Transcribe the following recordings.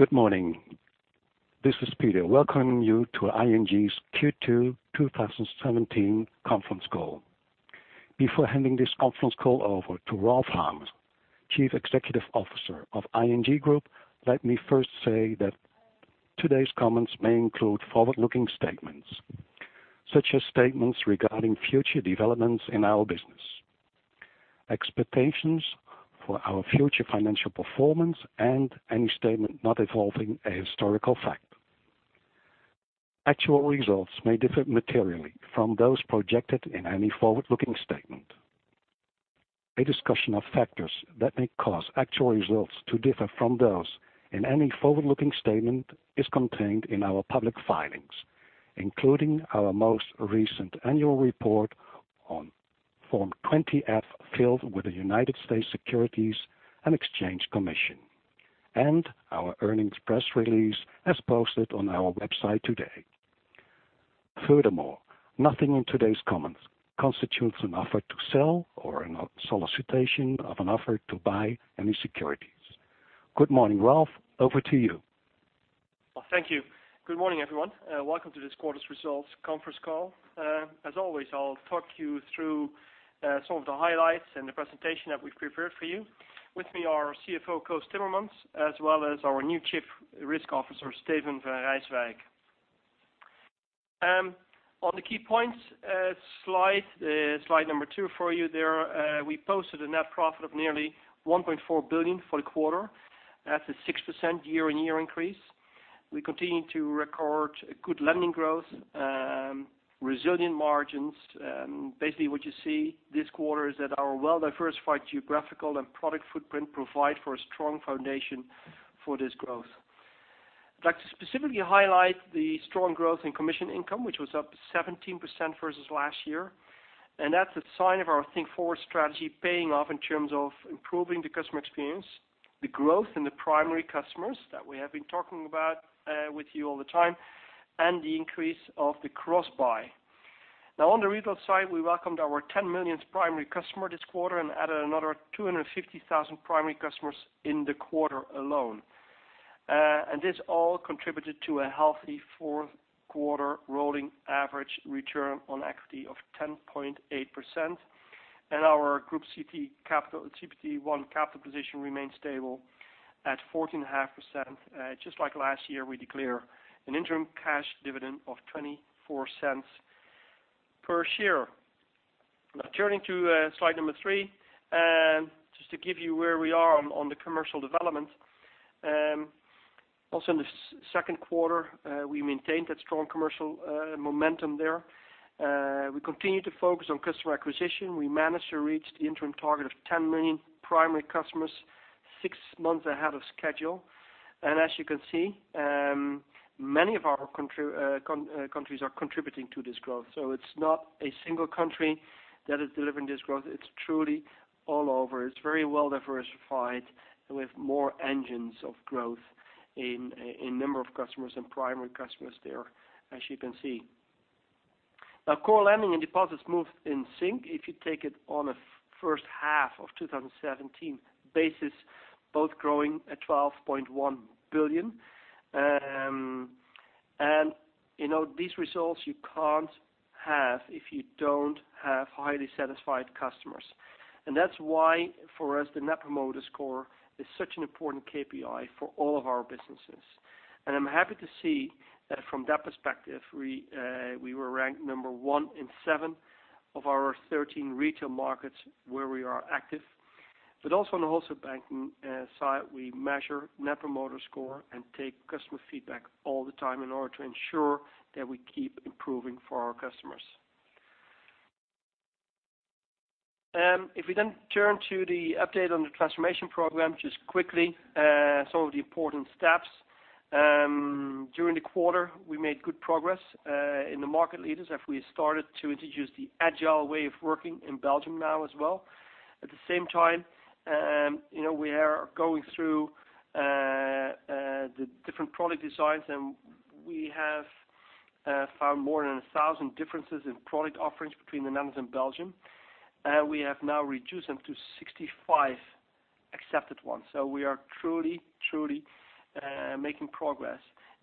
Good morning. This is Peter welcoming you to ING's Q2 2017 conference call. Before handing this conference call over to Ralph Hamers, Chief Executive Officer of ING Groep, let me first say that today's comments may include forward-looking statements, such as statements regarding future developments in our business, expectations for our future financial performance, and any statement not involving a historical fact. Actual results may differ materially from those projected in any forward-looking statement. A discussion of factors that may cause actual results to differ from those in any forward-looking statement is contained in our public filings, including our most recent annual report on Form 20-F filed with the United States Securities and Exchange Commission, and our earnings press release as posted on our website today. Nothing in today's comments constitutes an offer to sell or a solicitation of an offer to buy any securities. Good morning, Ralph. Over to you. Well, thank you. Good morning, everyone. Welcome to this quarter's results conference call. As always, I'll talk you through some of the highlights and the presentation that we've prepared for you. With me are CFO Koos Timmermans, as well as our new Chief Risk Officer, Steven van Rijswijk. On the key points slide number two for you there, we posted a net profit of nearly 1.4 billion for the quarter. That's a 6% year-on-year increase. We continue to record good lending growth, resilient margins. Basically, what you see this quarter is that our well-diversified geographical and product footprint provide for a strong foundation for this growth. I'd like to specifically highlight the strong growth in commission income, which was up 17% versus last year. That's a sign of our Think Forward strategy paying off in terms of improving the customer experience, the growth in the primary customers that we have been talking about with you all the time, and the increase of the cross-buy. On the retail side, we welcomed our 10 millionth primary customer this quarter and added another 250,000 primary customers in the quarter alone. This all contributed to a healthy fourth-quarter rolling average return on equity of 10.8%. Our Group CET1 capital position remains stable at 14.5%. Just like last year, we declare an interim cash dividend of 0.24 per share. Turning to slide number three, just to give you where we are on the commercial development. Also in the second quarter, we maintained that strong commercial momentum there. We continued to focus on customer acquisition. We managed to reach the interim target of 10 million primary customers six months ahead of schedule. As you can see, many of our countries are contributing to this growth. It's not a single country that is delivering this growth. It's truly all over. It's very well diversified with more engines of growth in number of customers and primary customers there, as you can see. Core lending and deposits moved in sync. If you take it on a first half of 2017 basis, both growing at 12.1 billion. These results you can't have if you don't have highly satisfied customers. That's why for us, the Net Promoter Score is such an important KPI for all of our businesses. I'm happy to see that from that perspective, we were ranked number one in seven of our 13 retail markets where we are active. Also on the wholesale banking side, we measure Net Promoter Score and take customer feedback all the time in order to ensure that we keep improving for our customers. We then turn to the update on the transformation program, just quickly some of the important steps. During the quarter, we made good progress in the market leaders as we started to introduce the agile way of working in Belgium now as well. At the same time, we are going through the different product designs, and we have found more than 1,000 differences in product offerings between the Netherlands and Belgium. We have now reduced them to 65 accepted ones. We are truly making progress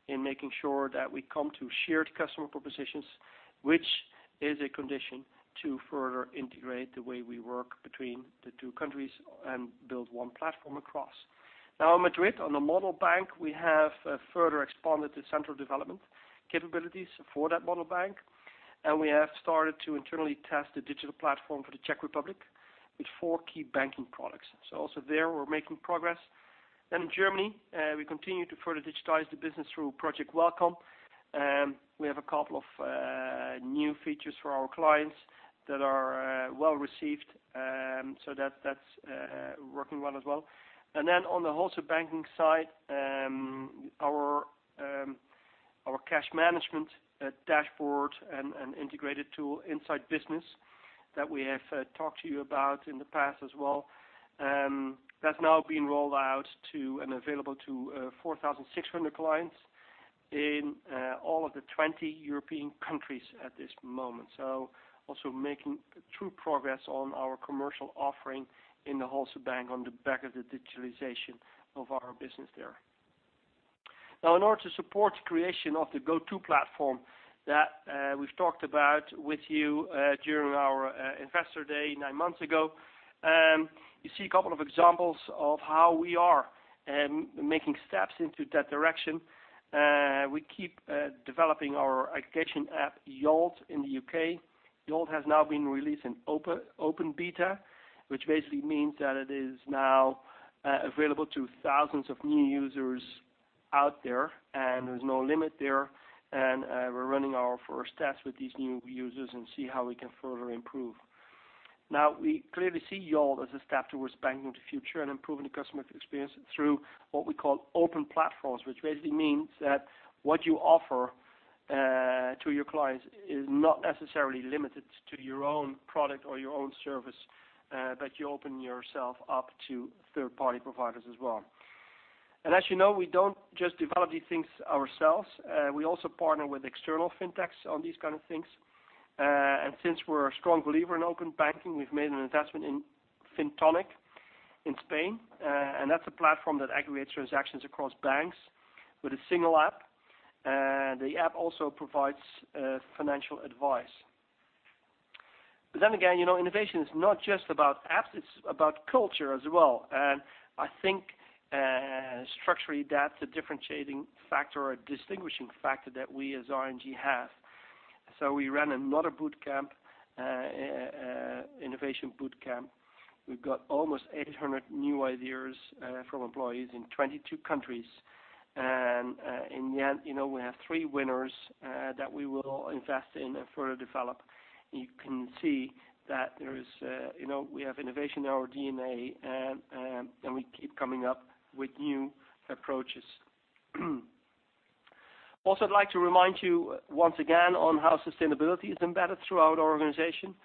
in making sure that we come to shared customer propositions, which is a condition to further integrate the way we work between the two countries and build one platform across. In Madrid on the model bank, we have further expanded the central development capabilities for that model bank, and we have started to internally test the digital platform for the Czech Republic with four key banking products. Also there, we're making progress. In Germany, we continue to further digitize the business through Project Welcome. We have a couple of new features for our clients that are well received. That's working well as well. On the wholesale banking side, our cash management dashboard and integrated tool InsideBusiness that we have talked to you about in the past as well, that's now been rolled out to and available to 4,600 clients in all of the 20 European countries at this moment. Also making true progress on our commercial offering in the Wholesale Bank on the back of the digitalization of our business there. In order to support creation of the Go2 platform that we've talked about with you during our Investor Day nine months ago, you see a couple of examples of how we are making steps into that direction. We keep developing our aggregation app, Yolt, in the U.K. Yolt has now been released in open beta, which basically means that it is now available to thousands of new users out there, and there's no limit there. We're running our first tests with these new users and see how we can further improve. We clearly see Yolt as a step towards banking the future and improving the customer experience through what we call open platforms. Which basically means that what you offer to your clients is not necessarily limited to your own product or your own service, but you open yourself up to third-party providers as well. As you know, we don't just develop these things ourselves. We also partner with external fintechs on these kind of things. Since we're a strong believer in open banking, we've made an investment in Fintonic in Spain. That's a platform that aggregates transactions across banks with a single app. The app also provides financial advice. Then again, innovation is not just about apps, it's about culture as well. I think structurally, that's a differentiating factor or a distinguishing factor that we as ING have. We ran another innovation boot camp. We've got almost 800 new ideas from employees in 22 countries. In the end, we have three winners that we will invest in and further develop. You can see that we have innovation in our DNA, and we keep coming up with new approaches. I'd like to remind you once again on how sustainability is embedded throughout our organization.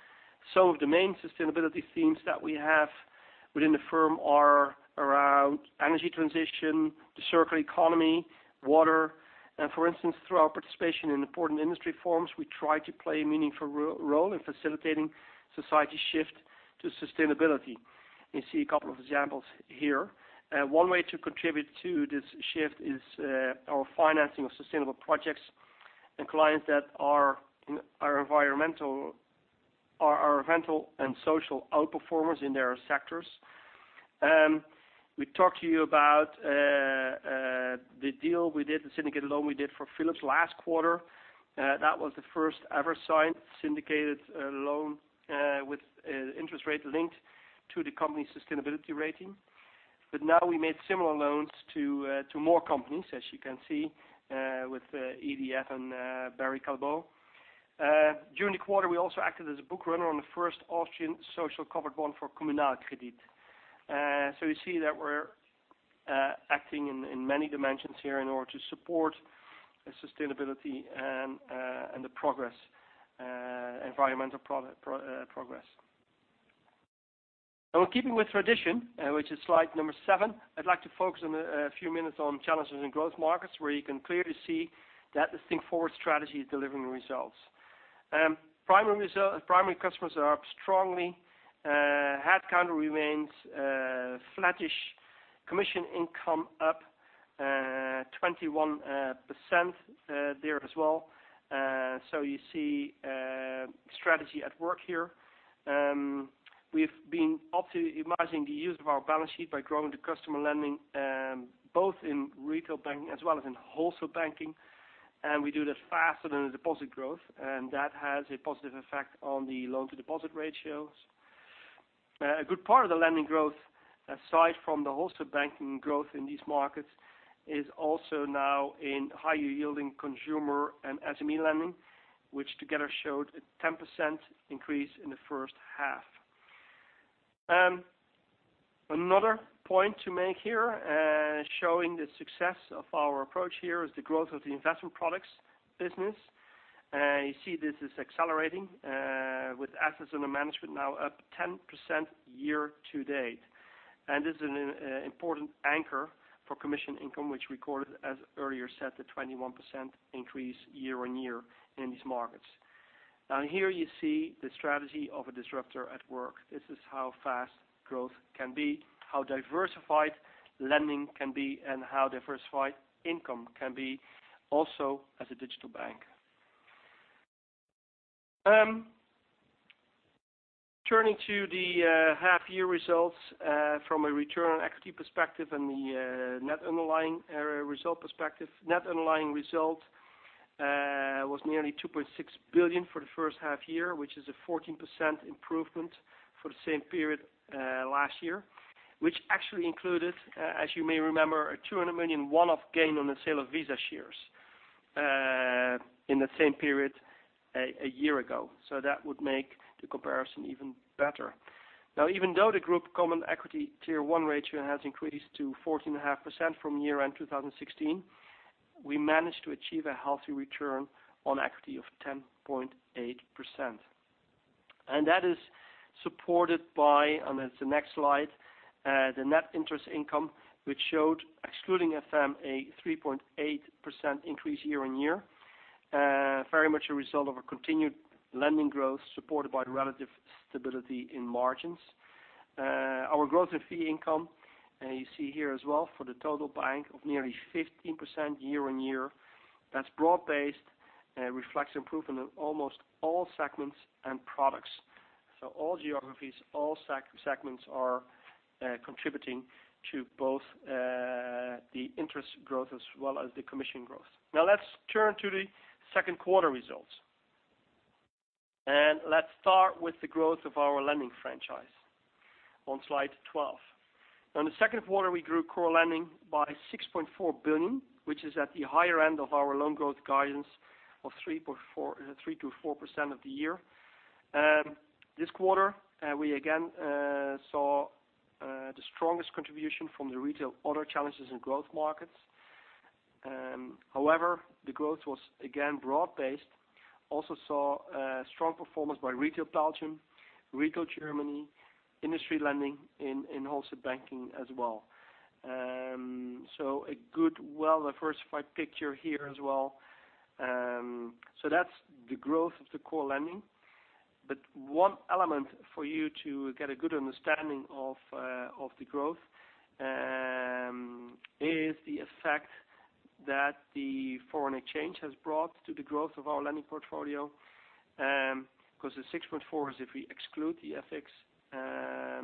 Some of the main sustainability themes that we have within the firm are around energy transition, the circular economy, water. For instance, through our participation in important industry forums, we try to play a meaningful role in facilitating society's shift to sustainability. You see a couple of examples here. One way to contribute to this shift is our financing of sustainable projects and clients that are environmental and social out-performers in their sectors. We talked to you about the deal we did, the syndicated loan we did for Philips last quarter. That was the first-ever signed syndicated loan with interest rate linked to the company's sustainability rating. Now we made similar loans to more companies, as you can see, with EDF and Barry Callebaut. During the quarter, we also acted as a book runner on the first Austrian social covered bond for Kommunalkredit. You see that we're acting in many dimensions here in order to support sustainability and the environmental progress. In keeping with tradition, which is slide number seven, I'd like to focus a few minutes on challenges in growth markets, where you can clearly see that the Think Forward strategy is delivering results. Primary customers are up strongly. Headcount remains flattish. Commission income up 21% there as well. You see strategy at work here. We've been optimizing the use of our balance sheet by growing the customer lending, both in retail banking as well as in wholesale banking. We do that faster than the deposit growth, and that has a positive effect on the loan-to-deposit ratios. A good part of the lending growth, aside from the wholesale banking growth in these markets, is also now in higher-yielding consumer and SME lending, which together showed a 10% increase in the first half. Another point to make here, showing the success of our approach here, is the growth of the investment products business. You see this is accelerating with assets under management now up 10% year to date. This is an important anchor for commission income, which recorded, as earlier said, a 21% increase year on year in these markets. Here you see the strategy of a disruptor at work. This is how fast growth can be, how diversified lending can be, and how diversified income can be also as a digital bank. Turning to the half-year results from a return on equity perspective and the net underlying result perspective. Net underlying result was nearly 2.6 billion for the first half year, which is a 14% improvement for the same period last year, which actually included, as you may remember, a 200 million one-off gain on the sale of Visa shares in the same period a year ago. That would make the comparison even better. Even though the Group Common Equity Tier 1 ratio has increased to 14.5% from year-end 2016, we managed to achieve a healthy return on equity of 10.8%. That is supported by, and it's the next slide, the net interest income, which showed, excluding FM, a 3.8% increase year-on-year. Very much a result of a continued lending growth supported by the relative stability in margins. Our growth in fee income, you see here as well for the total bank, of nearly 15% year-on-year. That's broad-based, reflects improvement in almost all segments and products. All geographies, all segments are contributing to both the interest growth as well as the commission growth. Let's turn to the second quarter results. Let's start with the growth of our lending franchise on slide 12. On the second quarter, we grew core lending by 6.4 billion, which is at the higher end of our loan growth guidance of 3%-4% of the year. This quarter, we again saw the strongest contribution from the retail other challenges in growth markets. However, the growth was again broad-based. Also saw strong performance by retail Belgium, retail Germany, industry lending in wholesale banking as well. A good, well-diversified picture here as well. That's the growth of the core lending. One element for you to get a good understanding of the growth, is the effect that the foreign exchange has brought to the growth of our lending portfolio, because the 6.4 is if we exclude the FX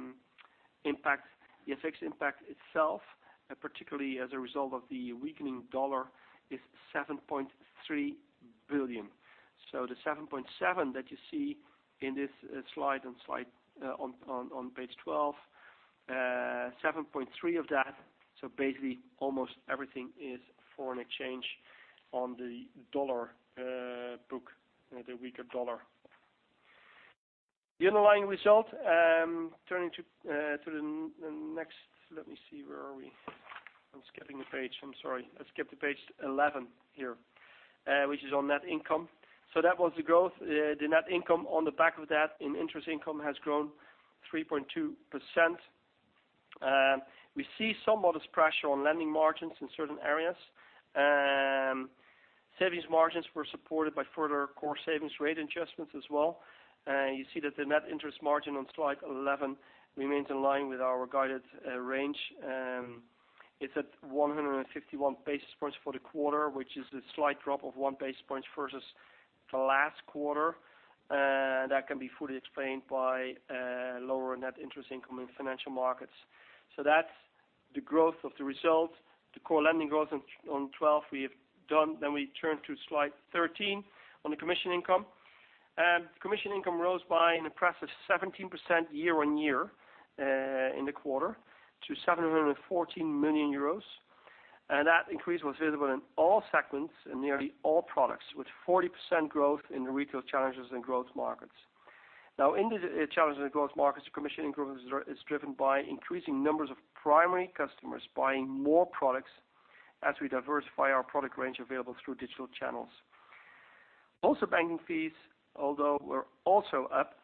impact. The FX impact itself, particularly as a result of the weakening dollar, is $7.3 billion. The 7.7 that you see in this slide, on page 12, $7.3 of that, basically almost everything is foreign exchange on the dollar book, the weaker dollar. The underlying result. I skipped to page 11 here, which is on net income. That was the growth. The net income on the back of that in interest income has grown 3.2%. We see some modest pressure on lending margins in certain areas. Savings margins were supported by further core savings rate adjustments as well. You see that the net interest margin on slide 11 remains in line with our guided range. It's at 151 basis points for the quarter, which is a slight drop of one basis point versus the last quarter. That can be fully explained by lower net interest income in financial markets. That's the growth of the result. The core lending growth on 12 we have done. We turn to slide 13 on the commission income. Commission income rose by an impressive 17% year-on-year in the quarter to 714 million euros. That increase was visible in all segments and nearly all products, with 40% growth in the retail challenges and growth markets. In the challenges and growth markets, commission income is driven by increasing numbers of primary customers buying more products as we diversify our product range available through digital channels. Banking fees, although were also up,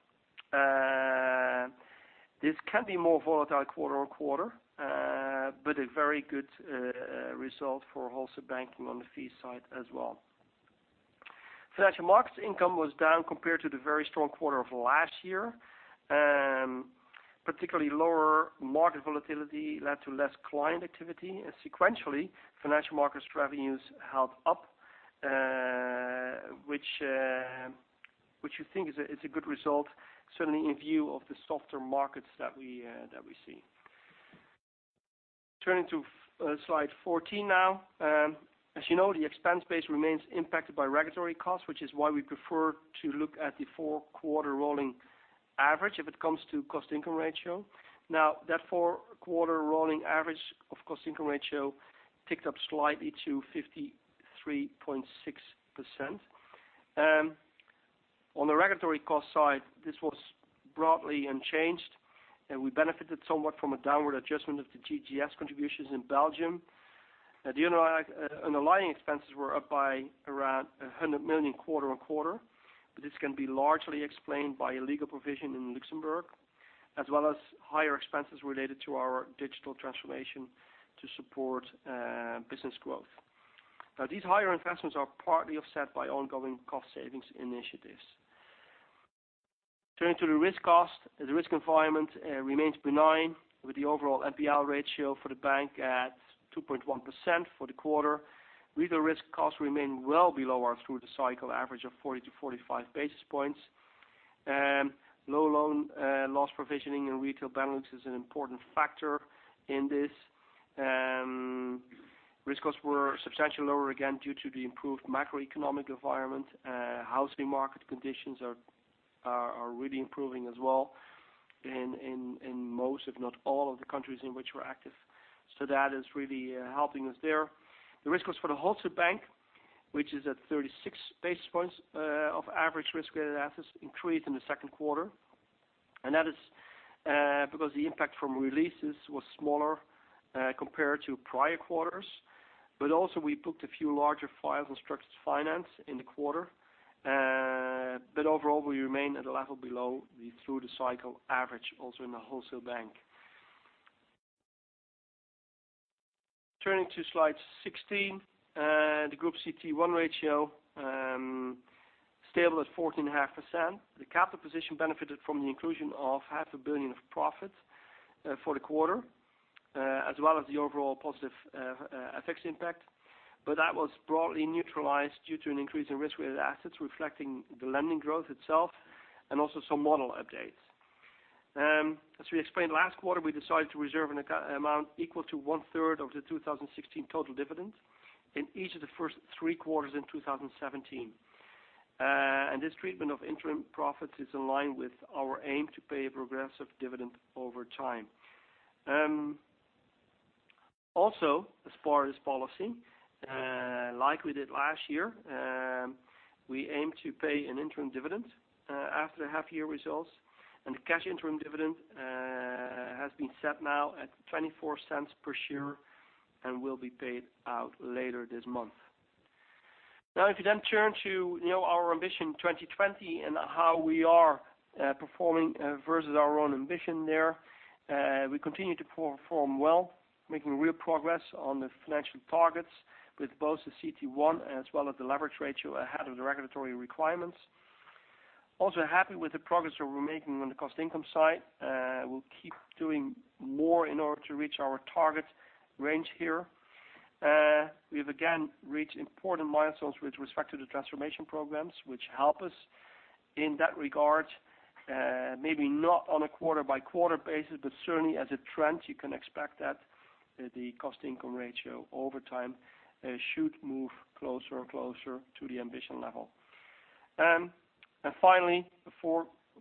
this can be more volatile quarter-on-quarter. A very good result for Wholesale Banking on the fee side as well. Financial markets income was down compared to the very strong quarter of last year. Particularly lower market volatility led to less client activity. Sequentially, financial markets revenues held up, which we think is a good result, certainly in view of the softer markets that we see. Turning to slide 14. As you know, the expense base remains impacted by regulatory costs, which is why we prefer to look at the four-quarter rolling average if it comes to cost-income ratio. That four-quarter rolling average of cost-income ratio ticked up slightly to 53.6%. On the regulatory cost side, this was broadly unchanged. We benefited somewhat from a downward adjustment of the DGS contributions in Belgium. The underlying expenses were up by around 100 million quarter-on-quarter. This can be largely explained by a legal provision in Luxembourg, as well as higher expenses related to our digital transformation to support business growth. These higher investments are partly offset by ongoing cost savings initiatives. Turning to the risk cost, the risk environment remains benign, with the overall NPL ratio for the bank at 2.1% for the quarter. Retail risk costs remain well below our through-the-cycle average of 40-45 basis points. Low loan loss provisioning in retail balance is an important factor in this. Risk costs were substantially lower again due to the improved macroeconomic environment. Housing market conditions are really improving as well in most, if not all of the countries in which we're active. That is really helping us there. The risk was for the Wholesale Banking, which is at 36 basis points of average risk-weighted assets increased in the second quarter. That is because the impact from releases was smaller compared to prior quarters. We booked a few larger files on structured finance in the quarter. Overall, we remain at a level below the through-the-cycle average also in the Wholesale Banking. Turning to slide 16, the Group CET1 ratio, stable at 14.5%. The capital position benefited from the inclusion of half a billion of profit for the quarter, as well as the overall positive FX impact. That was broadly neutralized due to an increase in risk-weighted assets reflecting the lending growth itself and also some model updates. As we explained last quarter, we decided to reserve an amount equal to one-third of the 2016 total dividend in each of the first three quarters in 2017. This treatment of interim profits is in line with our aim to pay a progressive dividend over time. As far as policy, like we did last year, we aim to pay an interim dividend after the half-year results. The cash interim dividend has been set now at 0.24 per share and will be paid out later this month. If you then turn to our ambition 2020 and how we are performing versus our own ambition there. We continue to perform well, making real progress on the financial targets with both the CET1 as well as the leverage ratio ahead of the regulatory requirements. Happy with the progress that we're making on the cost-income side. We'll keep doing more in order to reach our target range here. We've again reached important milestones with respect to the transformation programs, which help us in that regard, maybe not on a quarter-by-quarter basis, but certainly as a trend, you can expect that the cost income ratio over time should move closer and closer to the ambition level. Finally, the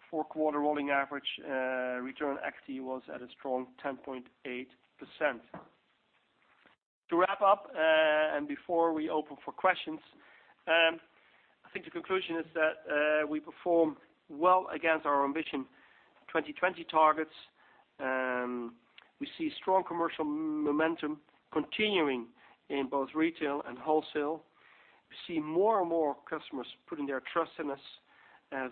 four-quarter rolling average return on equity was at a strong 10.8%. To wrap up, before we open for questions, I think the conclusion is that we perform well against our ambition 2020 targets. We see strong commercial momentum continuing in both retail and wholesale. We see more and more customers putting their trust in us,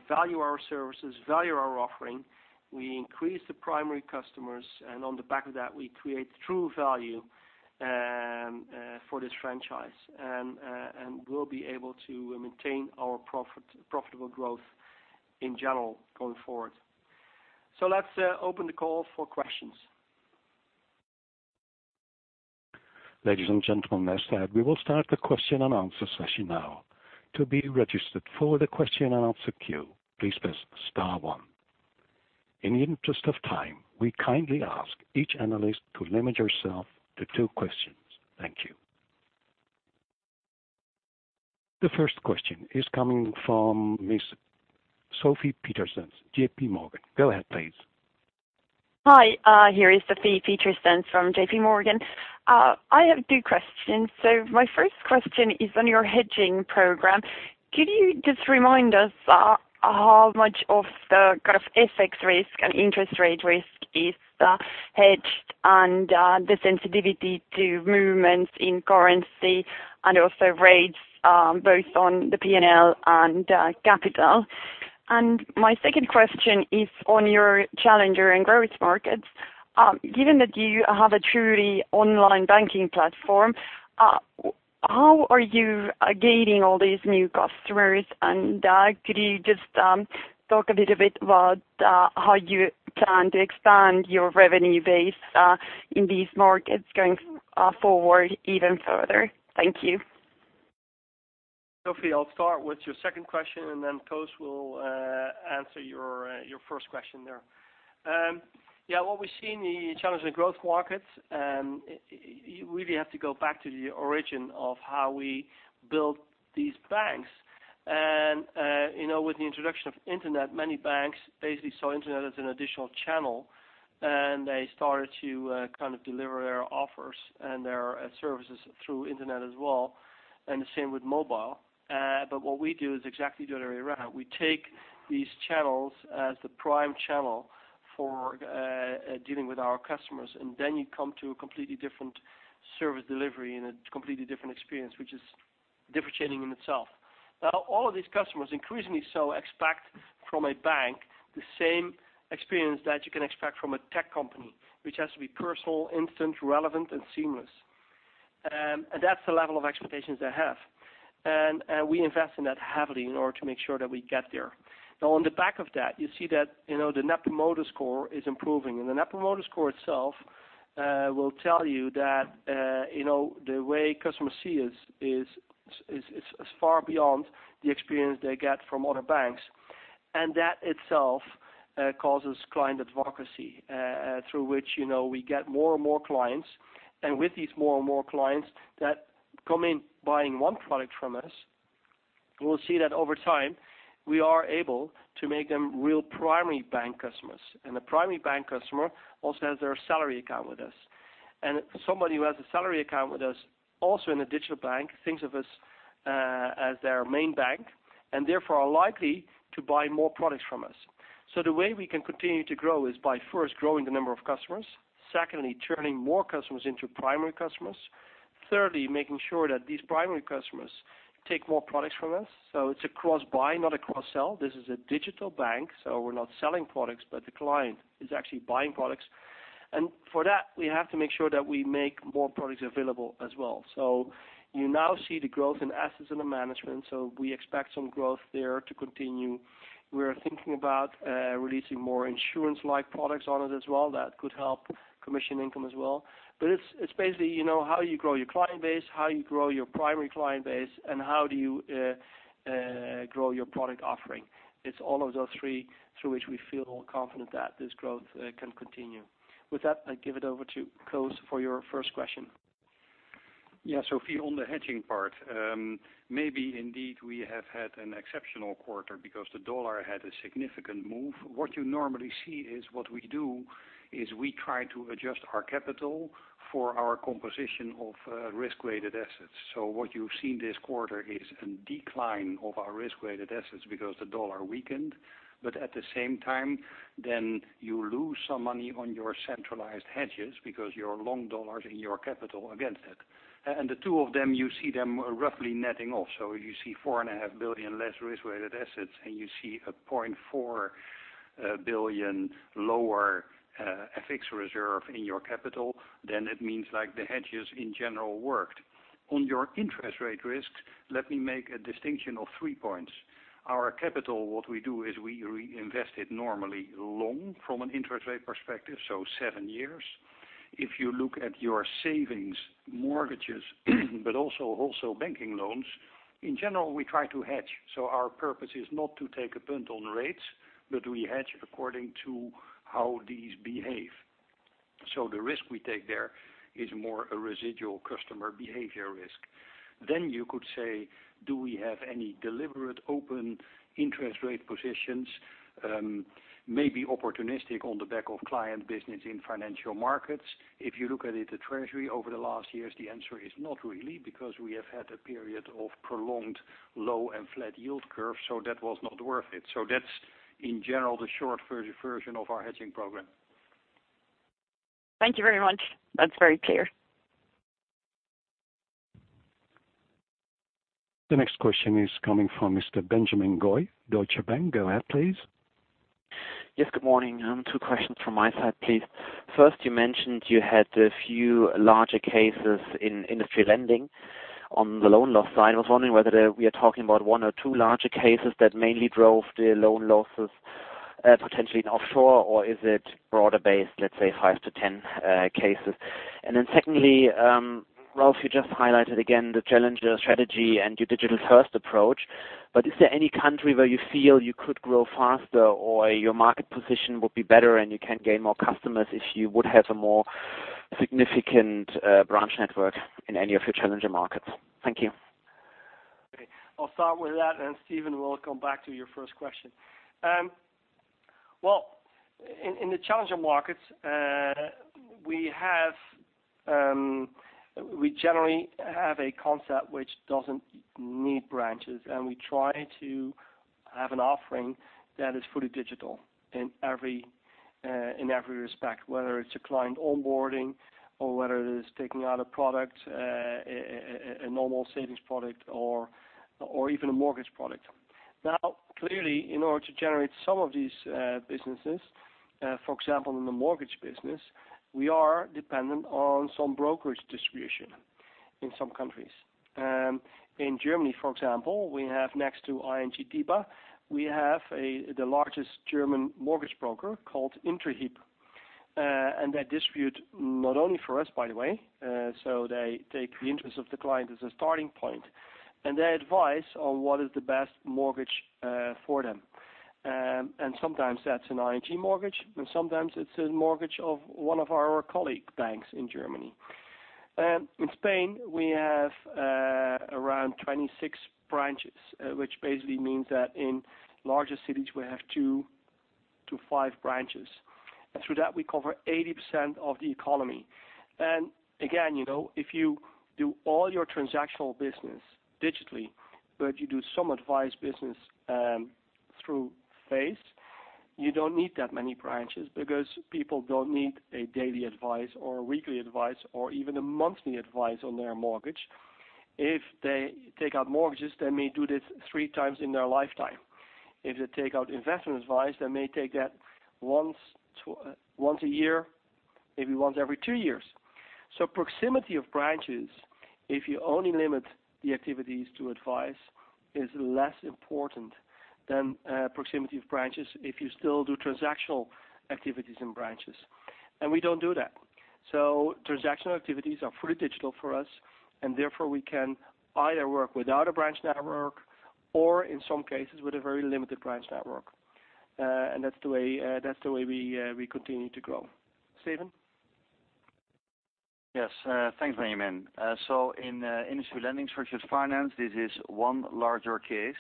value our services, value our offering. We increase the primary customers, on the back of that, we create true value for this franchise. We'll be able to maintain our profitable growth in general going forward. Let's open the call for questions. Ladies and gentlemen, as said, we will start the question and answer session now. To be registered for the question and answer queue, please press *1. In the interest of time, we kindly ask each analyst to limit yourself to two questions. Thank you. The first question is coming from Ms. Sofie Peterzens, J.P. Morgan. Go ahead, please. Hi. Here is Sofie Peterzens from J.P. Morgan. I have two questions. My first question is on your hedging program. Could you just remind us how much of the kind of FX risk and interest rate risk is hedged and the sensitivity to movements in currency and also rates both on the P&L and capital? My second question is on your challenger and growth markets. Given that you have a truly online banking platform, how are you gaining all these new customers? Could you just talk a little bit about how you plan to expand your revenue base in these markets going forward even further? Thank you. Sofie, I'll start with your second question, then Koos will answer your first question there. What we see in the challenger growth markets, you really have to go back to the origin of how we built these banks. With the introduction of internet, many banks basically saw internet as an additional channel, and they started to kind of deliver their offers and their services through internet as well, and the same with mobile. What we do is exactly the other way around. We take these channels as the prime channel for dealing with our customers, and then you come to a completely different service delivery and a completely different experience, which is differentiating in itself. All of these customers, increasingly so, expect from a bank the same experience that you can expect from a tech company, which has to be personal, instant, relevant, and seamless. That's the level of expectations they have. We invest in that heavily in order to make sure that we get there. On the back of that, you see that the Net Promoter Score is improving. The Net Promoter Score itself will tell you that the way customers see us is as far beyond the experience they get from other banks. That itself causes client advocacy, through which we get more and more clients. With these more and more clients that come in buying one product from us, we'll see that over time, we are able to make them real primary bank customers. The primary bank customer also has their salary account with us. Somebody who has a salary account with us also in a digital bank thinks of us as their main bank, and therefore are likely to buy more products from us. The way we can continue to grow is by first growing the number of customers. Secondly, turning more customers into primary customers. Thirdly, making sure that these primary customers take more products from us. It's a cross-buy, not a cross-sell. This is a digital bank, so we're not selling products, but the client is actually buying products. For that, we have to make sure that we make more products available as well. You now see the growth in assets under management. We expect some growth there to continue. We're thinking about releasing more insurance-like products on it as well. That could help commission income as well. It's basically how you grow your client base, how you grow your primary client base, and how do you grow your product offering. It's all of those three through which we feel confident that this growth can continue. With that, I give it over to Koos for your first question. Sofie, on the hedging part, maybe indeed we have had an exceptional quarter because the dollar had a significant move. What you normally see is what we do is we try to adjust our capital for our composition of risk-weighted assets. What you've seen this quarter is a decline of our risk-weighted assets because the dollar weakened, at the same time, you lose some money on your centralized hedges because your long dollars in your capital against it. The two of them, you see them roughly netting off. You see $4.5 billion less risk-weighted assets, you see a $0.4 billion lower FX reserve in your capital, it means like the hedges in general worked. On your interest rate risks, let me make a distinction of three points. Our capital, what we do is we reinvest it normally long from an interest rate perspective, seven years. If you look at your savings mortgages, also banking loans, in general, we try to hedge. Our purpose is not to take a punt on rates, we hedge according to how these behave. The risk we take there is more a residual customer behavior risk. You could say, do we have any deliberate open interest rate positions? Maybe opportunistic on the back of client business in financial markets. If you look at it at treasury over the last years, the answer is not really because we have had a period of prolonged low and flat yield curve, that was not worth it. That's in general, the short version of our hedging program. Thank you very much. That's very clear. The next question is coming from Mr. Benjamin Goy, Deutsche Bank. Go ahead, please. Yes, good morning. Two questions from my side, please. First, you mentioned you had a few larger cases in industry lending. On the loan loss side, I was wondering whether we are talking about one or two larger cases that mainly drove the loan losses, potentially in offshore, or is it broader based, let's say five to 10 cases. Secondly, Ralph Hamers, you just highlighted again the challenger strategy and your digital-first approach, but is there any country where you feel you could grow faster or your market position would be better and you can gain more customers if you would have a more significant branch network in any of your challenger markets? Thank you. Okay. I'll start with that, Steven van Rijswijk will come back to your first question. Well, in the challenger markets, we generally have a concept which doesn't need branches, and we try to have an offering that is fully digital in every respect. Whether it's a client onboarding or whether it is taking out a product, a normal savings product or even a mortgage product. Now, clearly, in order to generate some of these businesses, for example, in the mortgage business, we are dependent on some brokerage distribution in some countries. In Germany, for example, we have next to ING-DiBa, we have the largest German mortgage broker called Interhyp. They distribute not only for us, by the way, they take the interest of the client as a starting point, they advise on what is the best mortgage for them. Sometimes that's an ING mortgage, sometimes it's a mortgage of one of our colleague banks in Germany. In Spain, we have around 26 branches, which basically means that in larger cities we have two to five branches. Through that we cover 80% of the economy. Again, if you do all your transactional business digitally, but you do some advice business through face, you don't need that many branches because people don't need a daily advice or a weekly advice or even a monthly advice on their mortgage. If they take out mortgages, they may do this three times in their lifetime. If they take out investment advice, they may take that once a year, maybe once every two years. Proximity of branches, if you only limit the activities to advice, is less important than proximity of branches if you still do transactional activities in branches. We don't do that. Transactional activities are fully digital for us, therefore we can either work without a branch network or in some cases with a very limited branch network. That's the way we continue to grow. Steven van Rijswijk. Thanks, Benjamin. In industry lending versus finance, this is one larger case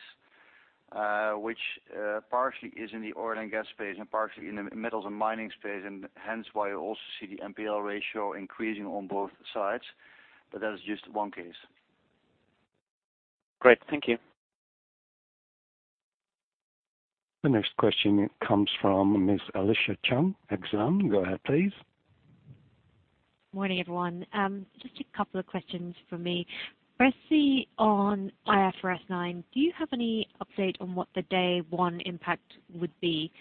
Which partially is in the oil and gas space and partially in the metals and mining space, hence why you also see the NPL ratio increasing on both sides. That is just one case. Great. Thank you. The next question comes from Ms. Alicia Caan, Exane. Go ahead, please. Morning, everyone. Just a couple of questions from me. Firstly, on IFRS 9, do you have any update on what the day one impact would be?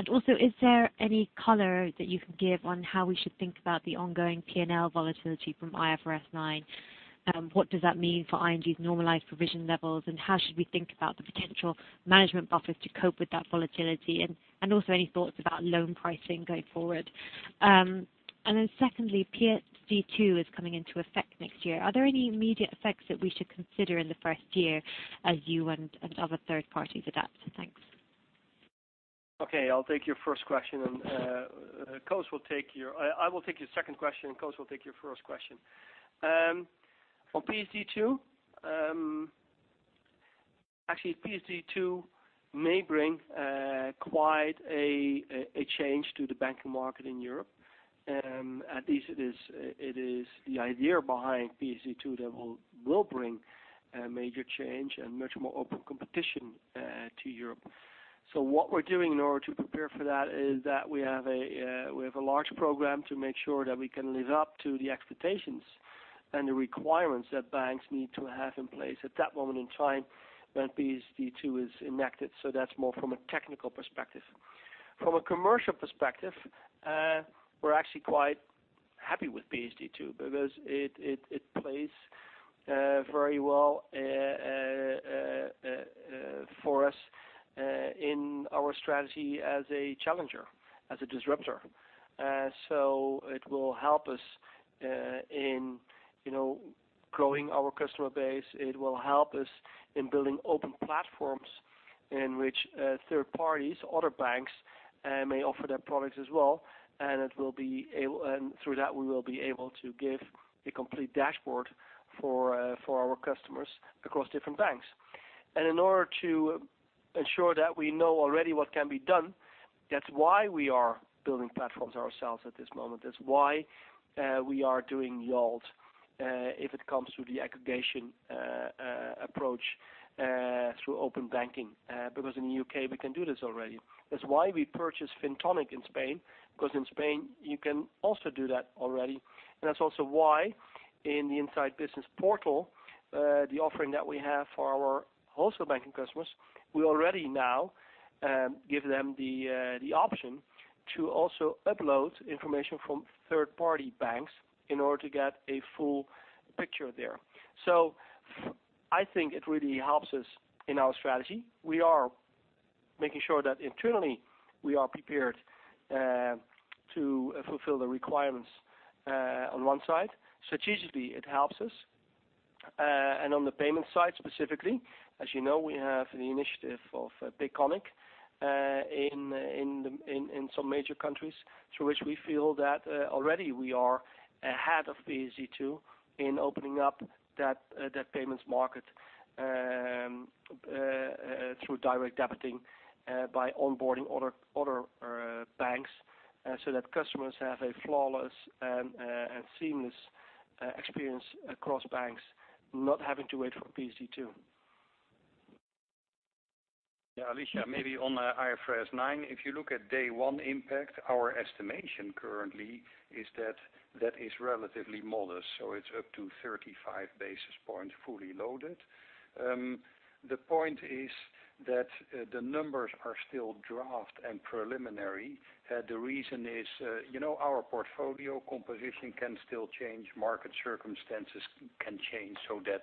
Is there any color that you can give on how we should think about the ongoing P&L volatility from IFRS 9? What does that mean for ING's normalized provision levels, and how should we think about the potential management buffers to cope with that volatility? Any thoughts about loan pricing going forward. Secondly, PSD2 is coming into effect next year. Are there any immediate effects that we should consider in the first year as you and other third parties adapt? Thanks. Okay, I'll take your first question, I will take your second question, and Koos will take your first question. On PSD2, actually, PSD2 may bring quite a change to the banking market in Europe. At least it is the idea behind PSD2 that will bring a major change and much more open competition to Europe. What we're doing in order to prepare for that is that we have a large program to make sure that we can live up to the expectations and the requirements that banks need to have in place at that moment in time when PSD2 is enacted. That's more from a technical perspective. From a commercial perspective, we're actually quite happy with PSD2 because it plays very well for us in our strategy as a challenger, as a disruptor. It will help us in growing our customer base. It will help us in building open platforms in which third parties, other banks, may offer their products as well. Through that, we will be able to give a complete dashboard for our customers across different banks. In order to ensure that we know already what can be done, that's why we are building platforms ourselves at this moment. That's why we are doing Yolt, if it comes to the aggregation approach through open banking, because in the U.K., we can do this already. That's why we purchased Fintonic in Spain, because in Spain, you can also do that already. That's also why in the InsideBusiness Portal, the offering that we have for our wholesale banking customers, we already now give them the option to also upload information from third-party banks in order to get a full picture there. I think it really helps us in our strategy. We are making sure that internally we are prepared to fulfill the requirements on one side. Strategically, it helps us. On the payment side, specifically, as you know, we have the initiative of Payconiq in some major countries through which we feel that already we are ahead of PSD2 in opening up that payments market through direct debiting by onboarding other banks so that customers have a flawless and seamless experience across banks, not having to wait for PSD2. Yeah, Alicia, maybe on IFRS 9, if you look at day one impact, our estimation currently is that that is relatively modest. It's up to 35 basis points fully loaded. The point is that the numbers are still draft and preliminary. The reason is our portfolio composition can still change, market circumstances can change so that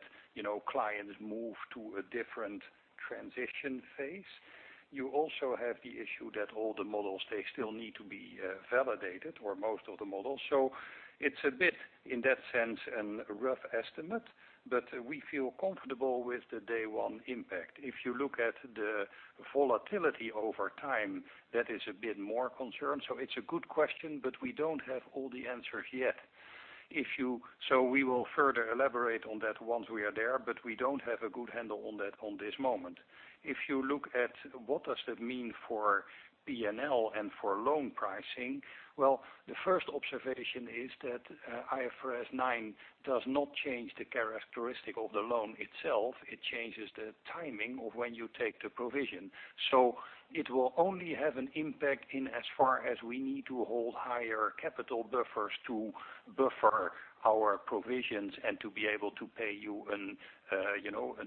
clients move to a different transition phase. You also have the issue that all the models, they still need to be validated or most of the models. It's a bit, in that sense, a rough estimate, but we feel comfortable with the day one impact. If you look at the volatility over time, that is a bit more concern. It's a good question, but we don't have all the answers yet. We will further elaborate on that once we are there, but we don't have a good handle on that at this moment. If you look at what does that mean for P&L and for loan pricing, well, the first observation is that IFRS 9 does not change the characteristic of the loan itself. It changes the timing of when you take the provision. It will only have an impact in as far as we need to hold higher capital buffers to buffer our provisions and to be able to pay you a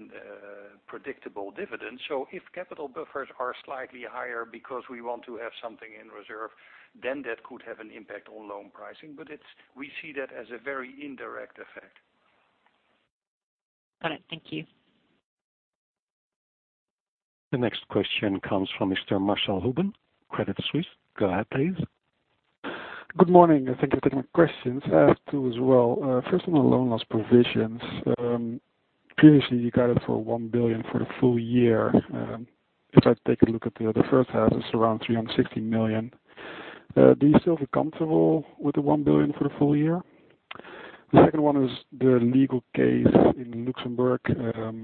predictable dividend. If capital buffers are slightly higher because we want to have something in reserve, then that could have an impact on loan pricing. We see that as a very indirect effect. Got it. Thank you. The next question comes from Mr. Marcel Huben, Credit Suisse. Go ahead, please. Good morning. Thank you for taking my questions. I have two as well. First, on the loan loss provisions. Previously, you guided for 1 billion for the full year. If I take a look at the first half, it's around 360 million. Do you still feel comfortable with the 1 billion for the full year? The second one is the legal case in Luxembourg. Could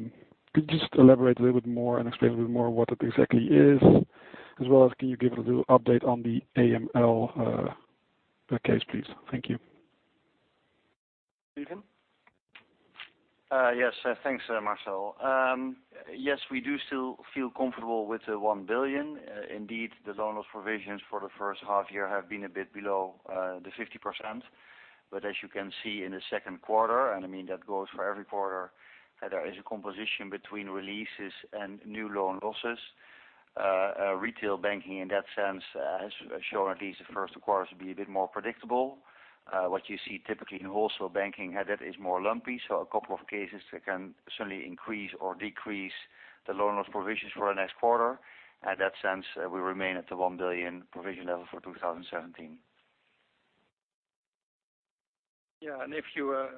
you just elaborate a little bit more and explain a bit more what it exactly is as well as can you give a little update on the AML case, please? Thank you. Steven. Yes. Thanks, Marcel. Yes, we do still feel comfortable with the 1 billion. Indeed, the loan loss provisions for the first half year have been a bit below the 50%, but as you can see in the second quarter, and that goes for every quarter, there is a composition between releases and new loan losses. Retail banking in that sense has shown at least the first quarters to be a bit more predictable. What you see typically in wholesale banking, that is more lumpy. A couple of cases that can certainly increase or decrease the loan loss provisions for the next quarter. In that sense, we remain at the 1 billion provision level for 2017. Yeah.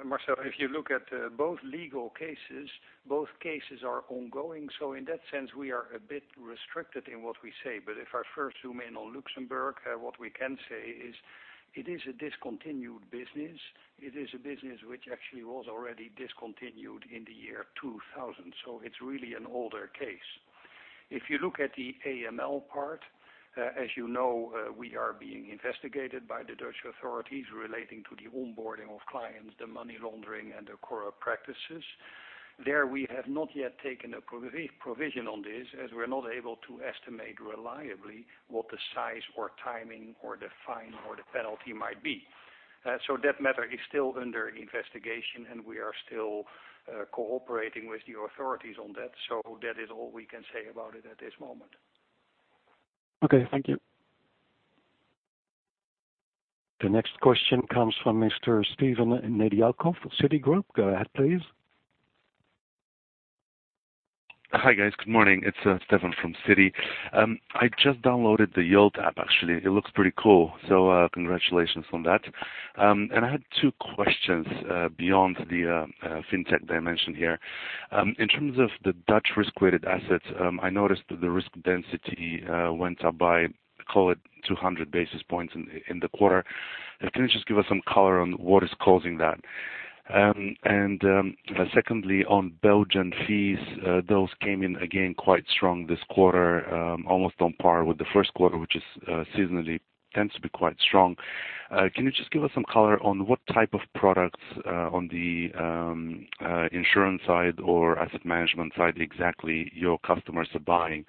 Marcel, if you look at both legal cases, both cases are ongoing. In that sense, we are a bit restricted in what we say. If I first zoom in on Luxembourg, what we can say is it is a discontinued business. It is a business which actually was already discontinued in the year 2000, so it's really an older case. If you look at the AML part, as you know, we are being investigated by the Dutch authorities relating to the onboarding of clients, the money laundering, and the corrupt practices. There we have not yet taken a provision on this, as we're not able to estimate reliably what the size or timing or the fine or the penalty might be. That matter is still under investigation, and we are still cooperating with the authorities on that. That is all we can say about it at this moment. Okay. Thank you. The next question comes from Mr. Stefan Nedialkov of Citigroup. Go ahead, please. Hi, guys. Good morning. It's Stefan from Citi. I just downloaded the Yolt app, actually. It looks pretty cool. Congratulations on that. I had two questions, beyond the Fintech dimension here. In terms of the Dutch risk-weighted assets, I noticed that the risk density went up by, call it 200 basis points in the quarter. Can you just give us some color on what is causing that? Secondly, on Belgian fees, those came in again quite strong this quarter, almost on par with the first quarter, which seasonally tends to be quite strong. Can you just give us some color on what type of products on the insurance side or asset management side exactly your customers are buying?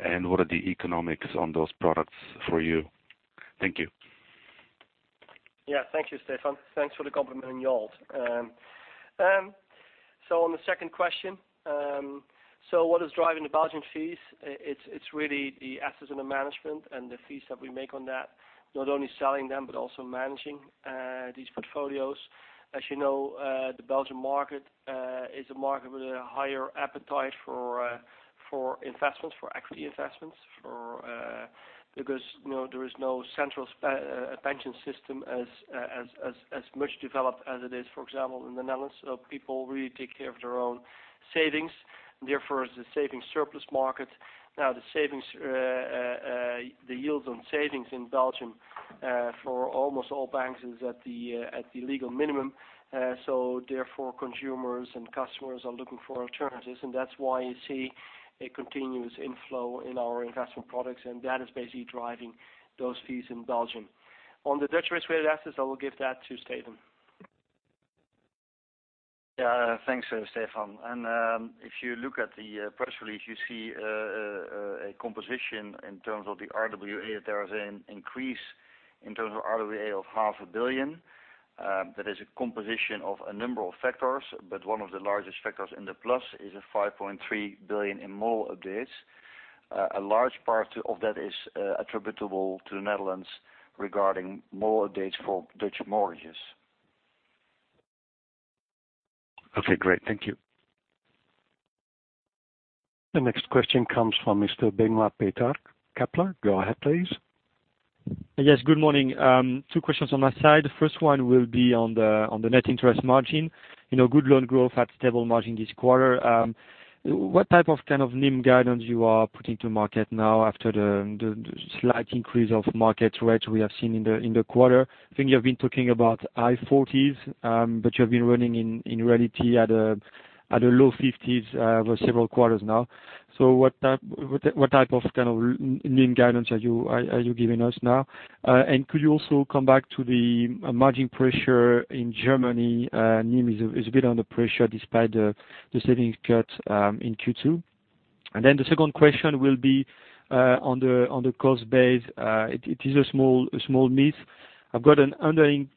What are the economics on those products for you? Thank you. Yeah, thank you, Stefan. Thanks for the compliment on Yolt. On the second question, so what is driving the Belgian fees? It's really the assets under management and the fees that we make on that, not only selling them, but also managing these portfolios. As you know, the Belgian market is a market with a higher appetite for investments, for equity investments, because there is no central pension system as much developed as it is, for example, in the Netherlands. People really take care of their own savings, therefore it's a saving surplus market. Now, the yields on savings in Belgium for almost all banks is at the legal minimum. Therefore, consumers and customers are looking for alternatives, and that's why you see a continuous inflow in our investment products, and that is basically driving those fees in Belgium. On the Dutch risk-weighted assets, I will give that to Steven. Thanks, Stefan. If you look at the press release, you see a composition in terms of the RWA. There is an increase in terms of RWA of half a billion. That is a composition of a number of factors, but one of the largest factors in the plus is a 5.3 billion in model updates. A large part of that is attributable to the Netherlands regarding model updates for Dutch mortgages. Okay, great. Thank you. The next question comes from Mr. Benoit Petrarque, Kepler. Go ahead, please. Yes, good morning. Two questions on my side. First one will be on the net interest margin. Good loan growth at stable margin this quarter. What type of NIM guidance you are putting to market now after the slight increase of market rates we have seen in the quarter? I think you have been talking about high 40s, but you have been running in reality at the low 50s for several quarters now. What type of NIM guidance are you giving us now? Could you also come back to the margin pressure in Germany? NIM is a bit under pressure despite the savings cut in Q2. The second question will be on the cost base. It is a small miss. I've got an underlying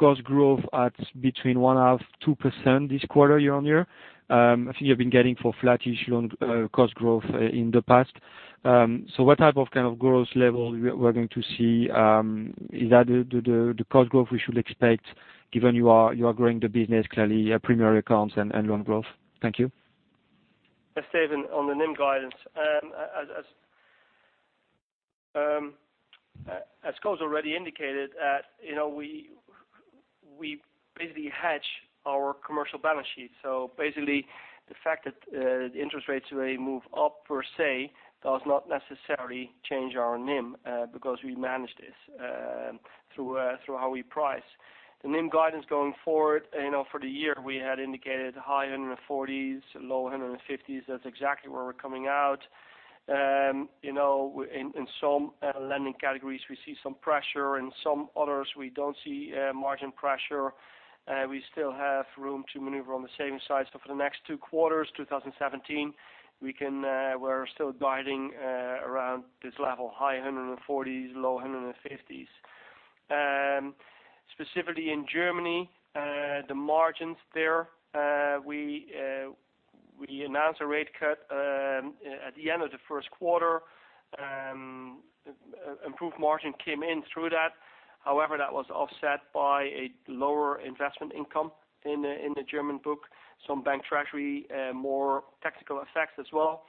cost growth at between 1.5%-2% this quarter year-on-year. I think you have been guiding for flattish loan cost growth in the past. What type of growth level we're going to see? Is that the cost growth we should expect given you are growing the business clearly premium accounts and loan growth? Thank you. Steven, on the NIM guidance. As Koos already indicated, we basically had our commercial balance sheet. Basically, the fact that interest rates may move up per se does not necessarily change our NIM because we manage this through how we price. The NIM guidance going forward, for the year, we had indicated high 140s, low 150s. That's exactly where we're coming out. In some lending categories, we see some pressure. In some others, we don't see margin pressure. We still have room to maneuver on the saving side. For the next two quarters, 2017, we're still guiding around this level, high 140s, low 150s. Specifically in Germany, the margins there, we announced a rate cut at the end of the first quarter. Improved margin came in through that. However, that was offset by a lower investment income in the German book. Some bank treasury, more tactical effects as well.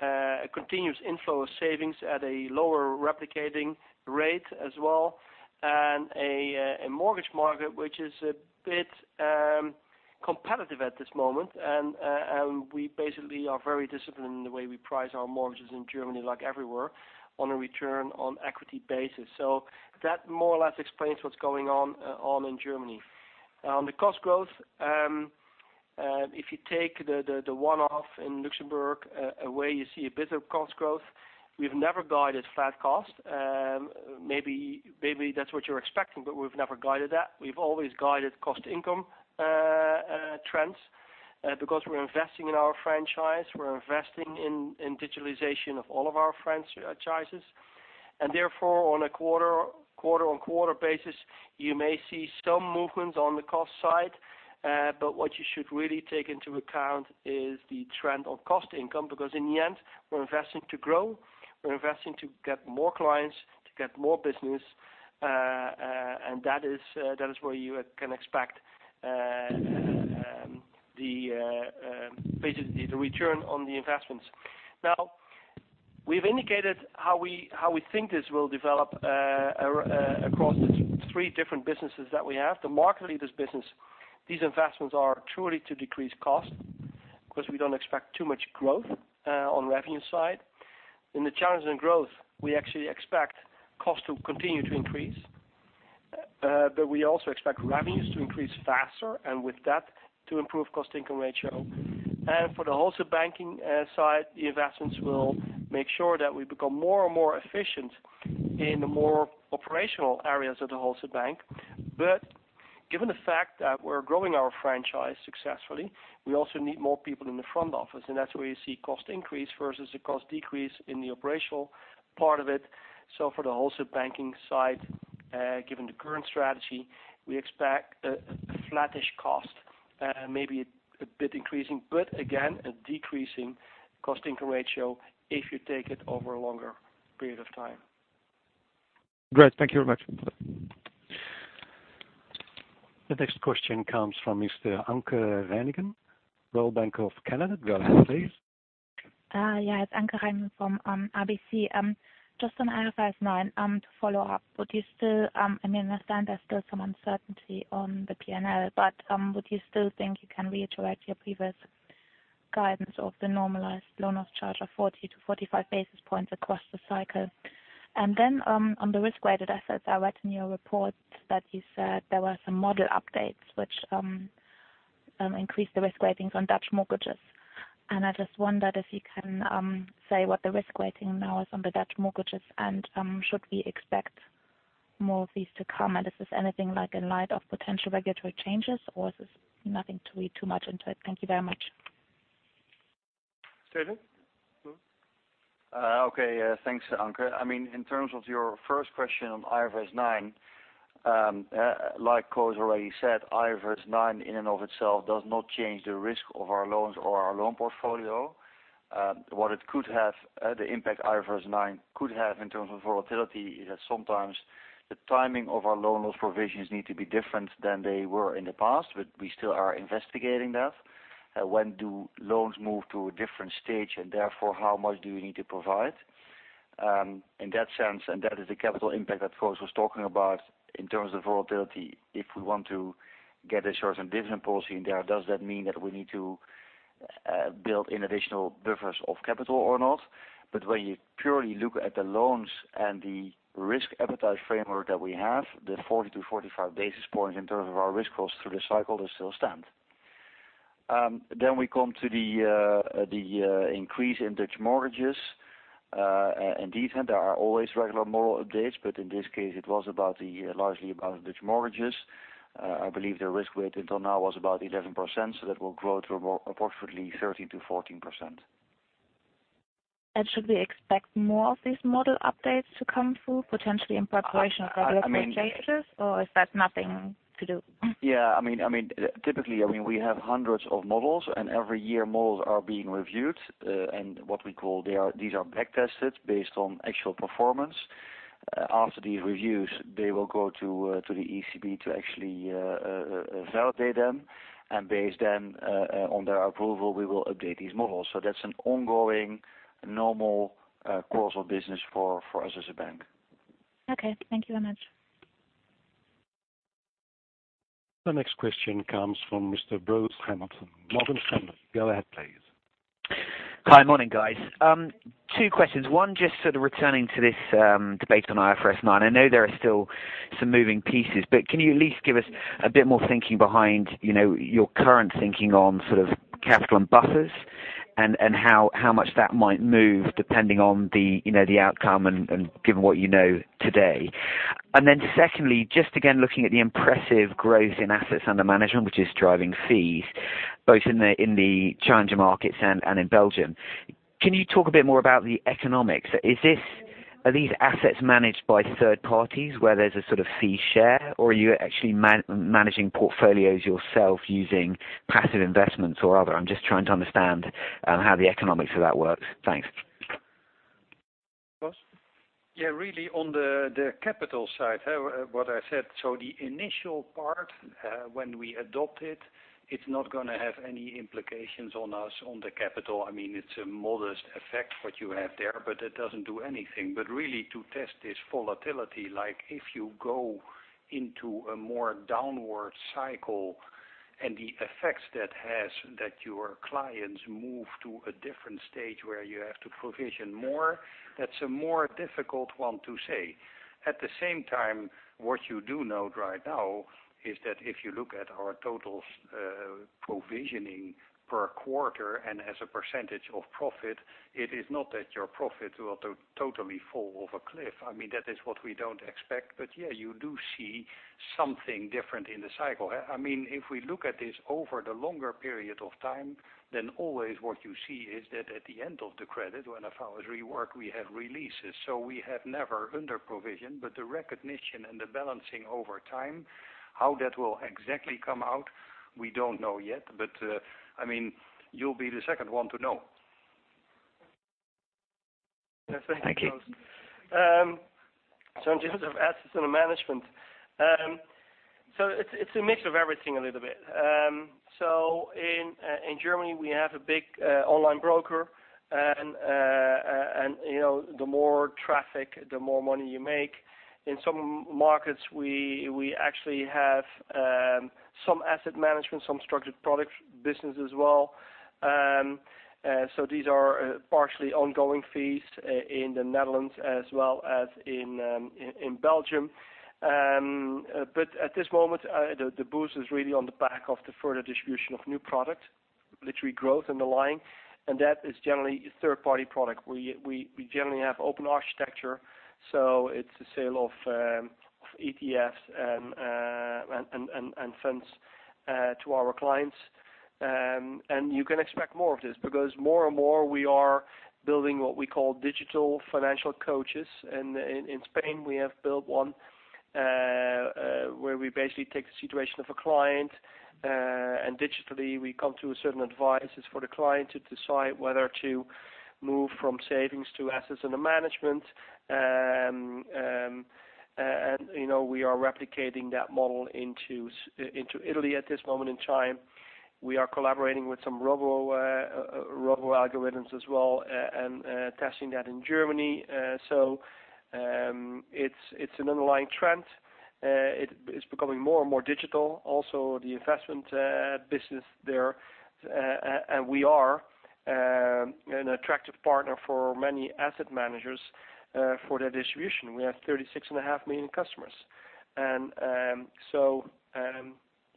A continuous inflow of savings at a lower replicating rate as well, and a mortgage market, which is a bit competitive at this moment. We basically are very disciplined in the way we price our mortgages in Germany, like everywhere, on a return on equity basis. That more or less explains what's going on in Germany. On the cost growth, if you take the one-off in Luxembourg away, you see a bit of cost growth. We've never guided flat cost. Maybe that's what you're expecting, but we've never guided that. We've always guided cost income trends, because we're investing in our franchise, we're investing in digitalization of all of our franchises. Therefore, on a quarter-on-quarter basis, you may see some movements on the cost side. What you should really take into account is the trend of cost income, because in the end, we're investing to grow, we're investing to get more clients, to get more business. That is where you can expect basically the return on the investments. We've indicated how we think this will develop across the three different businesses that we have. The market leaders business, these investments are truly to decrease cost because we don't expect too much growth on revenue side. In the challenging growth, we actually expect cost to continue to increase, but we also expect revenues to increase faster, and with that, to improve cost income ratio. For the wholesale banking side, the investments will make sure that we become more and more efficient in the more operational areas of the wholesale bank. Given the fact that we're growing our franchise successfully, we also need more people in the front office, and that's where you see cost increase versus the cost decrease in the operational part of it. For the wholesale banking side, given the current strategy, we expect a flattish cost, maybe a bit increasing. Again, a decreasing cost income ratio if you take it over a longer period of time. Great. Thank you very much. The next question comes from Mr. Anke Reingen, Royal Bank of Canada. Go ahead, please. Anke Reingen from RBC. On IFRS 9 to follow up. I mean, I understand there is still some uncertainty on the P&L, would you still think you can reiterate your previous guidance of the normalized loan loss charge of 40-45 basis points across the cycle? On the risk-weighted assets, I read in your report that you said there were some model updates which increase the risk weightings on Dutch mortgages. I just wondered if you can say what the risk weighting now is on the Dutch mortgages and should we expect more of these to come? Is this anything like in light of potential regulatory changes, or is this nothing to read too much into it? Thank you very much. Steven? Thanks, Anke. In terms of your first question on IFRS 9, like Koos already said, IFRS 9 in and of itself does not change the risk of our loans or our loan portfolio. What the impact IFRS 9 could have in terms of volatility is that sometimes the timing of our loan loss provisions need to be different than they were in the past, we still are investigating that. When do loans move to a different stage, therefore, how much do we need to provide? In that sense, that is the capital impact that Koos was talking about in terms of volatility. If we want to get a certain dividend policy in there, does that mean that we need to build in additional buffers of capital or not? When you purely look at the loans and the risk appetite framework that we have, the 40-45 basis points in terms of our risk cost through the cycle will still stand. We come to the increase in Dutch mortgages. Indeed, there are always regular model updates, in this case, it was largely about Dutch mortgages. I believe the risk weight until now was about 11%, that will grow to approximately 13%-14%. Should we expect more of these model updates to come through, potentially in preparation of regulatory changes? Is that nothing to do? Yeah. Typically, we have hundreds of models. Every year models are being reviewed, and what we call these are back-tested based on actual performance. After these reviews, they will go to the ECB to actually validate them. Based then on their approval, we will update these models. That's an ongoing normal course of business for us as a bank. Okay. Thank you very much. The next question comes from Mr. Bruce Hamilton, Morgan Stanley. Go ahead, please. Hi. Morning, guys. Two questions. One, just sort of returning to this debate on IFRS 9. I know there are still some moving pieces, can you at least give us a bit more thinking behind your current thinking on capital and buffers and how much that might move depending on the outcome and given what you know today? Then secondly, just again looking at the impressive growth in assets under management, which is driving fees both in the challenger markets and in Belgium. Can you talk a bit more about the economics? Are these assets managed by third parties where there's a sort of fee share, or are you actually managing portfolios yourself using passive investments or other? I'm just trying to understand how the economics of that works. Thanks. Koos. Really, on the capital side, what I said, the initial part when we adopt it's not going to have any implications on us on the capital. It's a modest effect what you have there, but it doesn't do anything. Really to test this volatility, like if you go into a more downward cycle and the effects that has that your clients move to a different stage where you have to provision more, that's a more difficult one to say. At the same time, what you do note right now is that if you look at our total provisioning per quarter and as a percentage of profit, it is not that your profit will totally fall off a cliff. That is what we don't expect. You do see something different in the cycle. If we look at this over the longer period of time, always what you see is that at the end of the credit, when a file is reworked, we have releases. We have never underprovisioned, but the recognition and the balancing over time, how that will exactly come out, we don't know yet. You'll be the second one to know. Thank you. In terms of assets under management. It's a mix of everything a little bit. In Germany, we have a big online broker and the more traffic, the more money you make. In some markets, we actually have some asset management, some structured products business as well. These are partially ongoing fees in the Netherlands as well as in Belgium. At this moment, the boost is really on the back of the further distribution of new product, literally growth in the line, and that is generally a third-party product. We generally have open architecture, it's a sale of ETFs and funds to our clients. You can expect more of this because more and more we are building what we call digital financial coaches. In Spain, we have built one, where we basically take the situation of a client, and digitally we come to certain advices for the client to decide whether to move from savings to assets under management. We are replicating that model into Italy at this moment in time. We are collaborating with some robo algorithms as well and testing that in Germany. It's an underlying trend. It's becoming more and more digital, also the investment business there. We are an attractive partner for many asset managers for their distribution. We have 36.5 million customers. You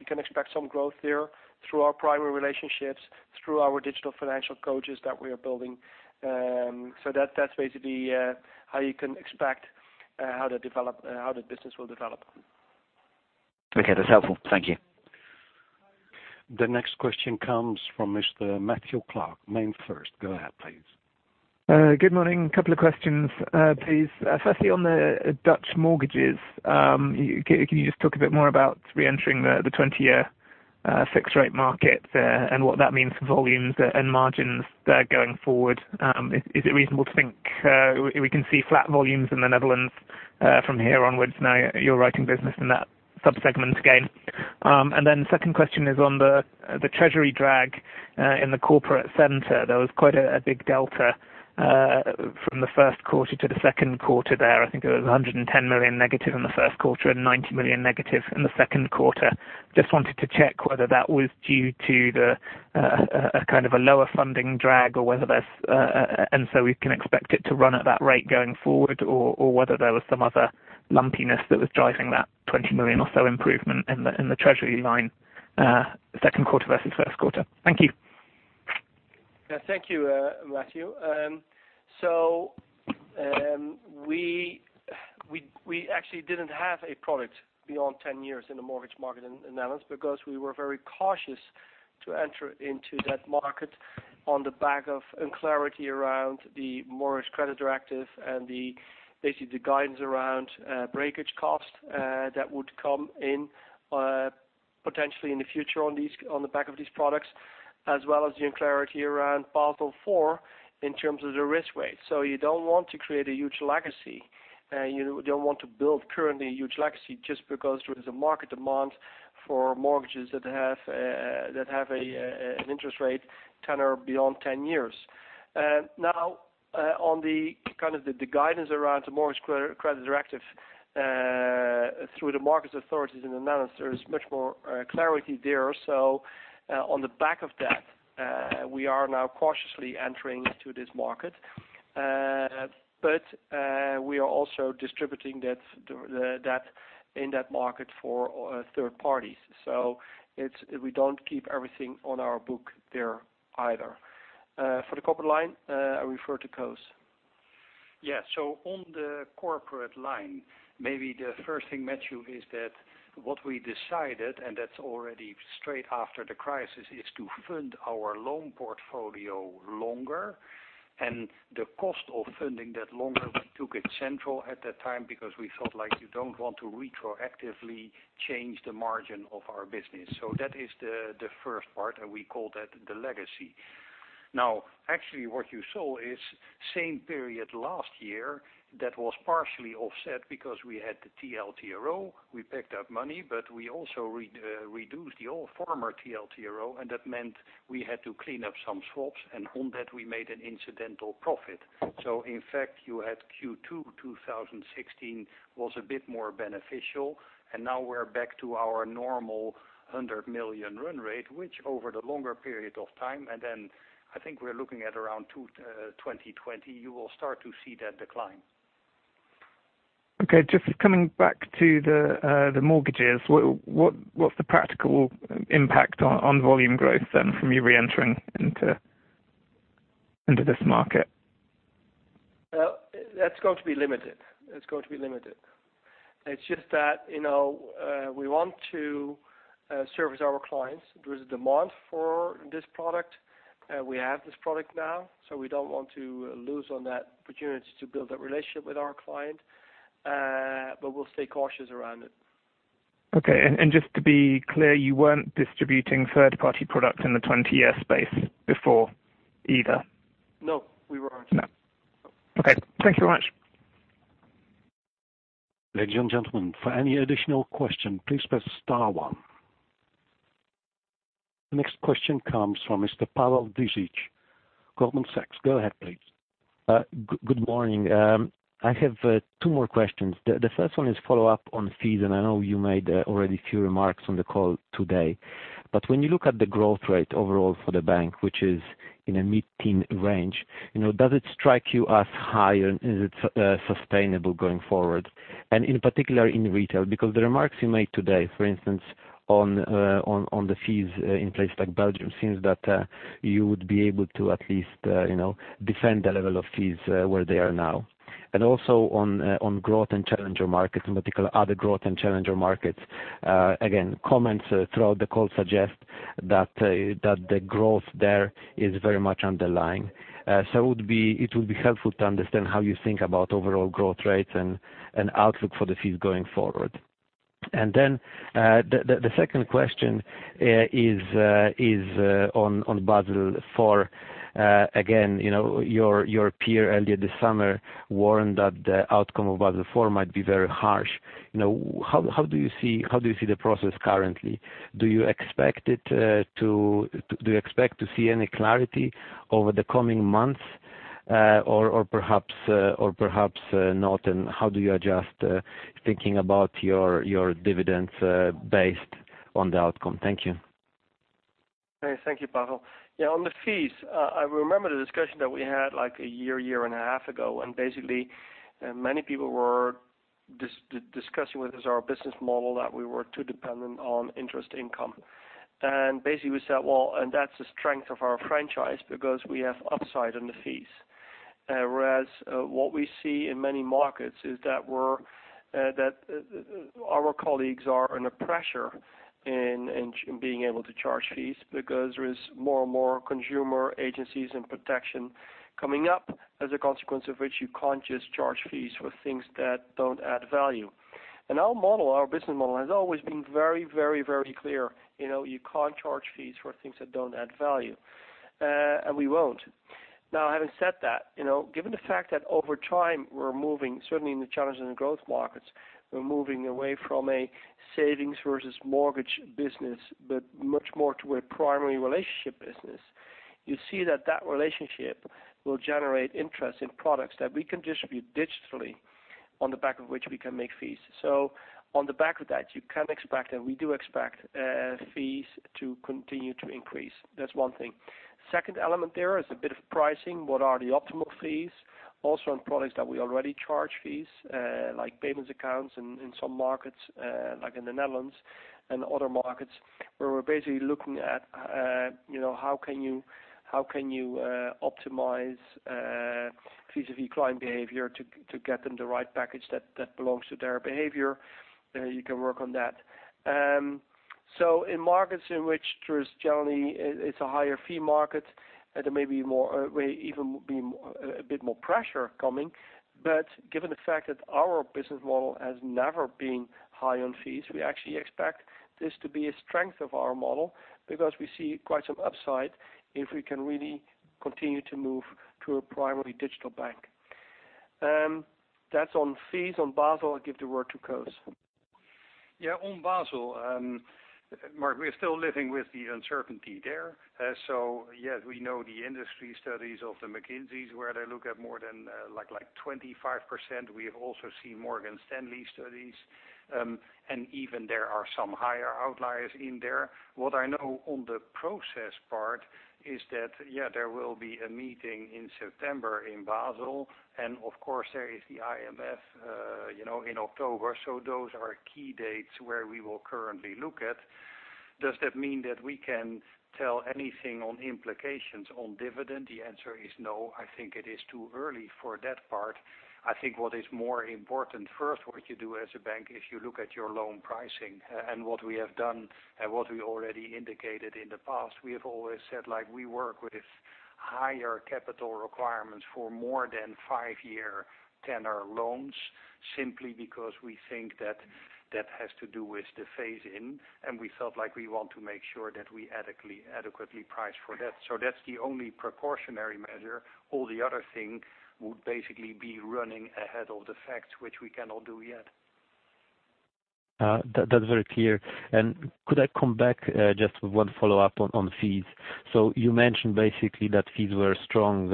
can expect some growth there through our primary relationships, through our digital financial coaches that we are building. That's basically how you can expect how the business will develop. Okay. That's helpful. Thank you. The next question comes from Mr. Matthew Clark, MainFirst. Go ahead, please. Good morning. A couple of questions please. Firstly, on the Dutch mortgages, can you just talk a bit more about reentering the 20-year fixed rate market and what that means for volumes and margins there going forward? Is it reasonable to think we can see flat volumes in the Netherlands from here onwards now you're writing business in that sub-segment again? Second question is on the treasury drag in the corporate center. There was quite a big delta from the first quarter to the second quarter there. I think it was 110 million negative in the first quarter and 90 million negative in the second quarter. Just wanted to check whether that was due to a kind of a lower funding drag or whether we can expect it to run at that rate going forward, or whether there was some other lumpiness that was driving that 20 million or so improvement in the treasury line second quarter versus first quarter. Thank you. Yeah. Thank you, Matthew. We actually didn't have a product beyond 10 years in the mortgage market in the Netherlands because we were very cautious to enter into that market on the back of unclarity around the Mortgage Credit Directive and basically the guidance around breakage cost that would come in potentially in the future on the back of these products, as well as the unclarity around Basel IV in terms of the risk weight. You don't want to create a huge legacy. You don't want to build currently a huge legacy just because there is a market demand for mortgages that have an interest rate 10 or beyond 10 years. Now, on the guidance around the Mortgage Credit Directive through the markets authorities and the Netherlands, there's much more clarity there. On the back of that, we are now cautiously entering into this market. We are also distributing that in that market for third parties. We don't keep everything on our book there either. For the corporate line, I refer to Koos. Yeah. On the corporate line, maybe the first thing, Matthew, is that what we decided, and that's already straight after the crisis, is to fund our loan portfolio longer. The cost of funding that longer, we took it central at that time because we felt like you don't want to retroactively change the margin of our business. That is the first part, and we call that the legacy. Now, actually, what you saw is same period last year, that was partially offset because we had the TLTRO. We picked up money, but we also reduced the old former TLTRO, and that meant we had to clean up some swaps, and on that, we made an incidental profit. In fact, you had Q2 2016 was a bit more beneficial, and now we're back to our normal 100 million run rate, which over the longer period of time, and then I think we're looking at around 2020, you will start to see that decline. Okay, just coming back to the mortgages. What's the practical impact on volume growth then from you reentering into this market? That's going to be limited. It's just that we want to service our clients. There is a demand for this product. We have this product now, so we don't want to lose on that opportunity to build that relationship with our client. We'll stay cautious around it. Okay. Just to be clear, you weren't distributing third-party products in the 20-year space before either? No, we weren't. No. Okay. Thank you very much. Ladies and gentlemen, for any additional question, please press *1. The next question comes from Mr. Pawel Dziedzic, Goldman Sachs. Go ahead, please. Good morning. I have two more questions. The first one is follow up on fees, and I know you made already a few remarks on the call today. When you look at the growth rate overall for the bank, which is in a mid-teen range. Does it strike you as high and is it sustainable going forward? In particular in retail, because the remarks you made today, for instance, on the fees in places like Belgium, seems that you would be able to at least defend the level of fees where they are now. Also on growth and challenger markets in particular, other growth and challenger markets. Again, comments throughout the call suggest that the growth there is very much underlying. It would be helpful to understand how you think about overall growth rates and outlook for the fees going forward. The second question is on Basel IV. Again, your peer earlier this summer warned that the outcome of Basel IV might be very harsh. How do you see the process currently? Do you expect to see any clarity over the coming months or perhaps not? How do you adjust thinking about your dividends based on the outcome? Thank you. Thank you, Pawel. On the fees, I remember the discussion that we had, like a year and a half ago, many people were discussing with us our business model that we were too dependent on interest income. We said, well, that's the strength of our franchise because we have upside on the fees. Whereas what we see in many markets is that our colleagues are under pressure in being able to charge fees because there is more and more consumer agencies and protection coming up as a consequence of which you can't just charge fees for things that don't add value. Our business model has always been very clear. You can't charge fees for things that don't add value. We won't. Having said that, given the fact that over time we're moving, certainly in the challenges and growth markets, we're moving away from a savings versus mortgage business, but much more to a primary relationship business. You see that that relationship will generate interest in products that we can distribute digitally on the back of which we can make fees. On the back of that, you can expect, we do expect fees to continue to increase. That's one thing. Second element there is a bit of pricing. What are the optimal fees? Also on products that we already charge fees, like payments accounts in some markets, like in the Netherlands and other markets, where we're basically looking at how can you optimize vis-a-vis client behavior to get them the right package that belongs to their behavior. You can work on that. In markets in which there is generally, it's a higher fee market, there may even be a bit more pressure coming. Given the fact that our business model has never been high on fees, we actually expect this to be a strength of our model because we see quite some upside if we can really continue to move to a primary digital bank. That's on fees. On Basel, I give the word to Koos. Yeah, on Basel, [Mark], we're still living with the uncertainty there. Yes, we know the industry studies of the McKinsey, where they look at more than 25%. We have also seen Morgan Stanley studies, even there are some higher outliers in there. What I know on the process part is that there will be a meeting in September in Basel, and of course, there is the IMF in October. Those are key dates where we will currently look at. Does that mean that we can tell anything on implications on dividend? The answer is no. I think it is too early for that part. I think what is more important, first, what you do as a bank is you look at your loan pricing. What we have done, and what we already indicated in the past, we have always said, we work with higher capital requirements for more than five-year tenor loans, simply because we think that that has to do with the phase-in, and we felt like we want to make sure that we adequately price for that. That's the only precautionary measure. All the other things would basically be running ahead of the facts, which we cannot do yet. That's very clear. Could I come back just with one follow-up on fees? You mentioned basically that fees were strong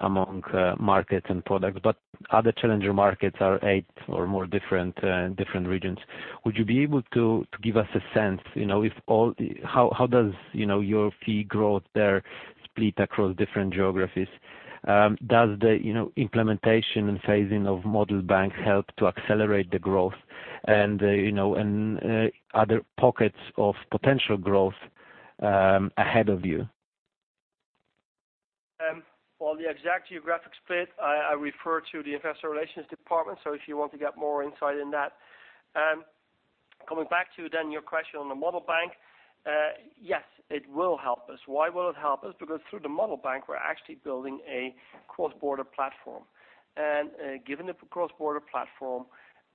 among markets and products, but other challenger markets are eight or more different regions. Would you be able to give us a sense, how does your fee growth there split across different geographies? Does the implementation and phasing of model bank help to accelerate the growth and are there pockets of potential growth ahead of you? For the exact geographic split, I refer to the investor relations department, so if you want to get more insight in that. Coming back to your question on the model bank, yes, it will help us. Why will it help us? Because through the model bank, we're actually building a cross-border platform. Given the cross-border platform,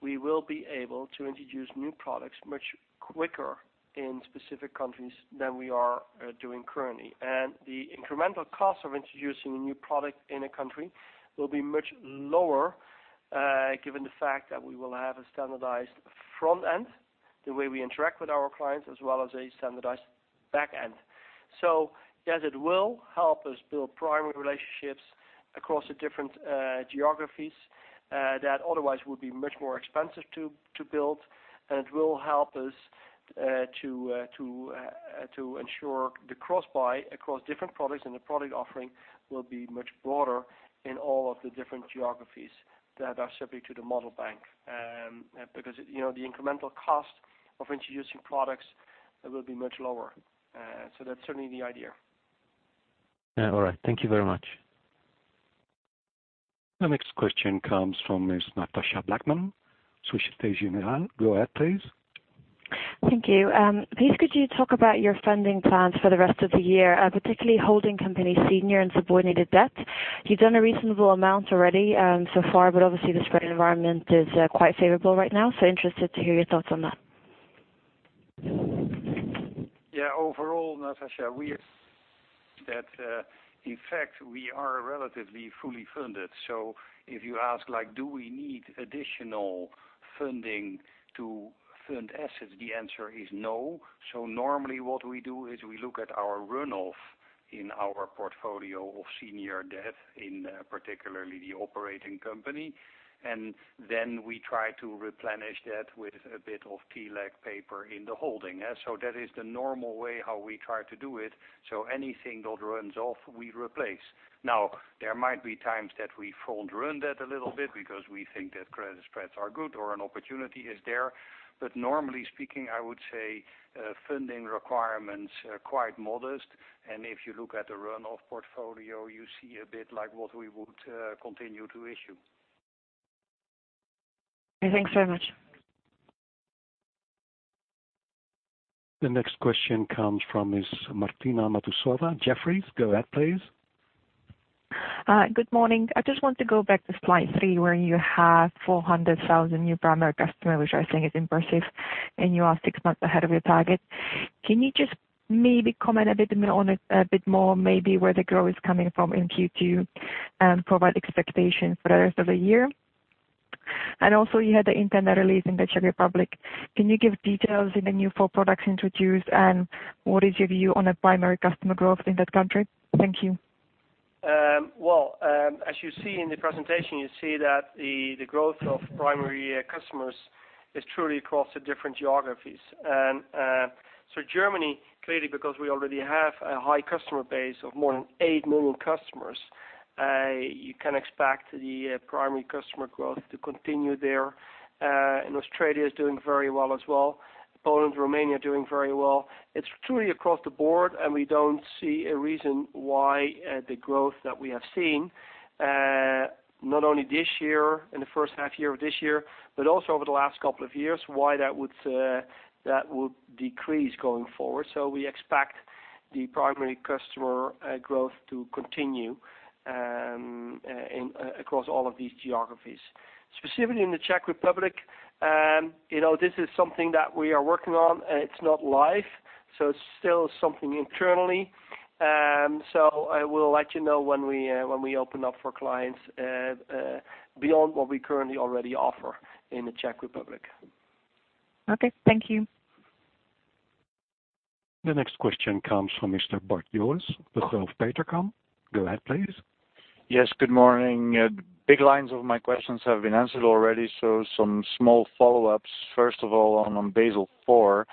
we will be able to introduce new products much quicker in specific countries than we are doing currently. The incremental cost of introducing a new product in a country will be much lower, given the fact that we will have a standardized front end, the way we interact with our clients, as well as a standardized back end. Yes, it will help us build primary relationships across the different geographies that otherwise would be much more expensive to build. It will help us to ensure the cross-buy across different products. The product offering will be much broader in all of the different geographies that are subject to the model bank. The incremental cost of introducing products will be much lower. That's certainly the idea. All right. Thank you very much. The next question comes from Ms. Natasha Blackman, Swissquote Bank. Go ahead, please. Thank you. Please could you talk about your funding plans for the rest of the year, particularly holding company senior and subordinated debt. Obviously the spread environment is quite favorable right now, interested to hear your thoughts on that. Overall, Natasha, we are that, in fact, we are relatively fully funded. If you ask, do we need additional funding to fund assets? The answer is no. Normally what we do is we look at our runoff in our portfolio of senior debt, in particularly the operating company, and then we try to replenish that with a bit of TLAC paper in the holding. That is the normal way how we try to do it. Anything that runs off, we replace. There might be times that we front-run that a little bit because we think that credit spreads are good or an opportunity is there. Normally speaking, I would say funding requirements are quite modest. If you look at the runoff portfolio, you see a bit like what we would continue to issue. Thanks very much. The next question comes from Ms. Martina Matusova, Jefferies. Go ahead, please. Good morning. I just want to go back to slide three, where you have 400,000 new primary customer, which I think is impressive, and you are six months ahead of your target. Can you just maybe comment a bit more maybe where the growth is coming from in Q2 and provide expectations for the rest of the year? Also you had the internet release in the Czech Republic. Can you give details in the new four products introduced, and what is your view on a primary customer growth in that country? Thank you. Well, as you see in the presentation, you see that the growth of primary customers is truly across the different geographies. Germany, clearly because we already have a high customer base of more than 8 million customers, you can expect the primary customer growth to continue there. Australia is doing very well as well. Poland, Romania are doing very well. It's truly across the board, and we don't see a reason why the growth that we have seen, not only this year, in the first half year of this year, but also over the last couple of years, why that would decrease going forward. We expect the primary customer growth to continue across all of these geographies. Specifically in the Czech Republic, this is something that we are working on, and it's not live It's still something internally. I will let you know when we open up for clients beyond what we currently already offer in the Czech Republic. Okay. Thank you. The next question comes from Mr. Bart Jooris, Degroof Petercam. Go ahead, please. Yes, good morning. Big lines of my questions have been answered already, so some small follow-ups. First of all, on Basel IV.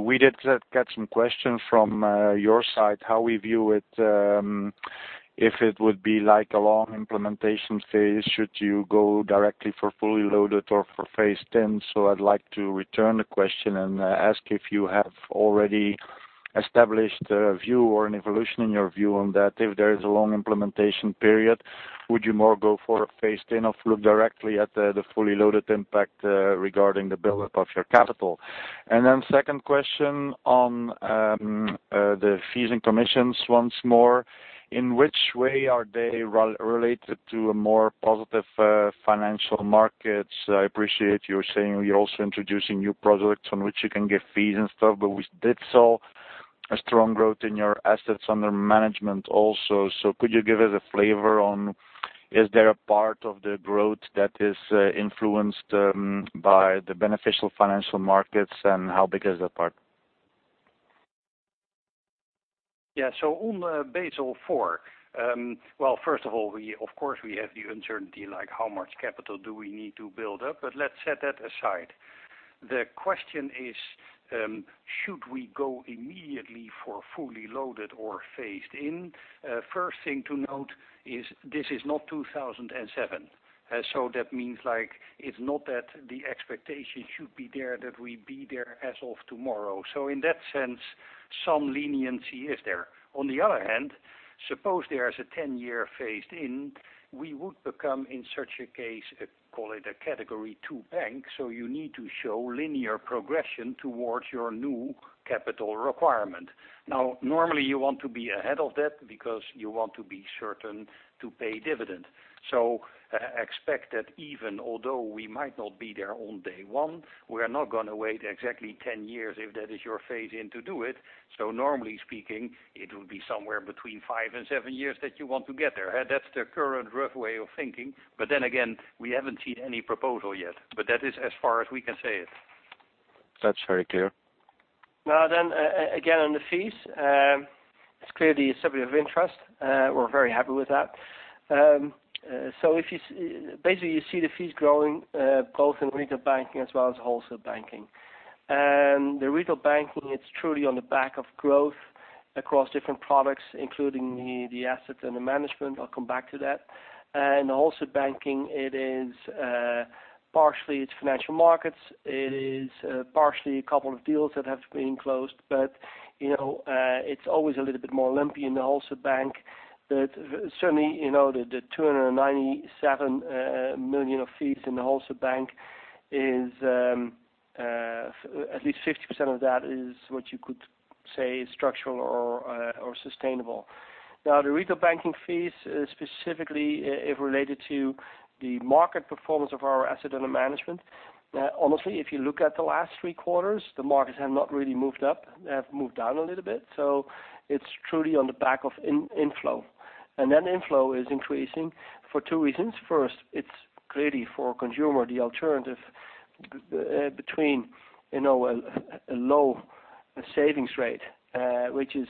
We did get some questions from your side how we view it, if it would be like a long implementation phase. Should you go directly for fully loaded or for phased in? I'd like to return the question and ask if you have already established a view or an evolution in your view on that. If there is a long implementation period, would you more go for a phased in or look directly at the fully loaded impact regarding the buildup of your capital? Second question on the fees and commissions once more. In which way are they related to a more positive financial markets? I appreciate you saying you're also introducing new products on which you can give fees and stuff, but we did saw a strong growth in your assets under management also. Could you give us a flavor on, is there a part of the growth that is influenced by the beneficial financial markets, and how big is that part? On Basel IV. Well, first of all, of course, we have the uncertainty, like how much capital do we need to build up? Let's set that aside. The question is, should we go immediately for fully loaded or phased in? First thing to note is this is not 2007. That means it's not that the expectation should be there, that we be there as of tomorrow. In that sense, some leniency is there. On the other hand, suppose there is a 10-year phased in, we would become, in such a case, call it a Category 2 bank. You need to show linear progression towards your new capital requirement. Now, normally, you want to be ahead of that because you want to be certain to pay dividend. Expect that even although we might not be there on day one, we're not going to wait exactly 10 years if that is your phase in to do it. Normally speaking, it will be somewhere between five and seven years that you want to get there. That's the current rough way of thinking. We haven't seen any proposal yet. That is as far as we can say it. That's very clear. Again, on the fees, it's clearly a subject of interest. We're very happy with that. Basically, you see the fees growing both in retail banking as well as wholesale banking. The retail banking, it's truly on the back of growth across different products, including the assets under management. I'll come back to that. Wholesale banking, it is partially its financial markets. It is partially a couple of deals that have been closed, but it's always a little bit more lumpy in the wholesale bank. Certainly, the 297 million of fees in the wholesale bank, at least 50% of that is what you could say is structural or sustainable. The retail banking fees, specifically if related to the market performance of our asset under management. Honestly, if you look at the last three quarters, the markets have not really moved up. They have moved down a little bit. It's truly on the back of inflow. That inflow is increasing for two reasons. First, it's clearly for consumer, the alternative between a low savings rate, which is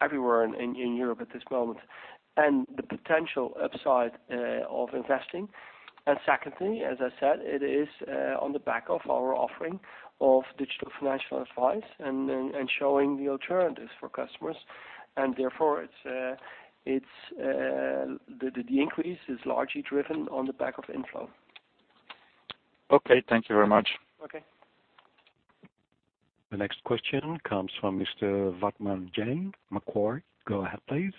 everywhere in Europe at this moment, and the potential upside of investing. Secondly, as I said, it is on the back of our offering of digital financial advice and showing the alternatives for customers. Therefore, the increase is largely driven on the back of inflow. Okay. Thank you very much. Okay. The next question comes from Mr. Varman Jain, Macquarie. Go ahead, please.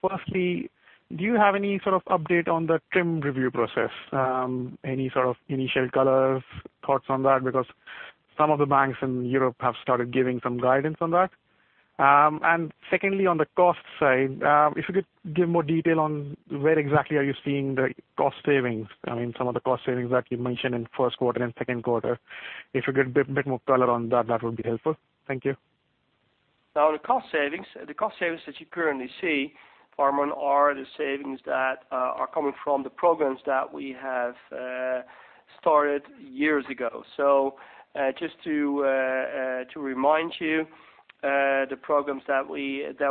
Firstly, do you have any sort of update on the TRIM review process? Any sort of initial colors, thoughts on that? Because some of the banks in Europe have started giving some guidance on that. Secondly, on the cost side, if you could give more detail on where exactly are you seeing the cost savings. I mean, some of the cost savings that you mentioned in first quarter and second quarter. If you could give a bit more color on that would be helpful. Thank you. The cost savings that you currently see, Varman, are the savings that are coming from the programs that we have started years ago. Just to remind you, the programs that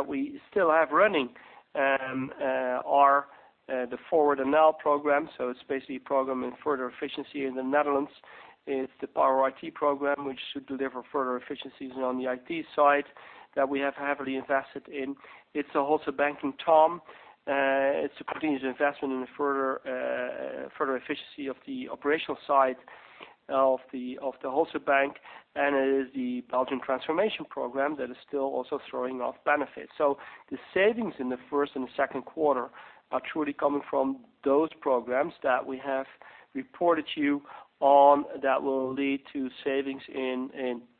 we still have running are the Forward NL program. It's basically a program in further efficiency in the Netherlands. It's the Power IT program, which should deliver further efficiencies on the IT side that we have heavily invested in. It's the Wholesale Banking TOM. It's a continuous investment in further efficiency of the operational side of the wholesale bank, and it is the Belgian transformation program that is still also throwing off benefits. The savings in the first and second quarter are truly coming from those programs that we have reported to you on that will lead to savings in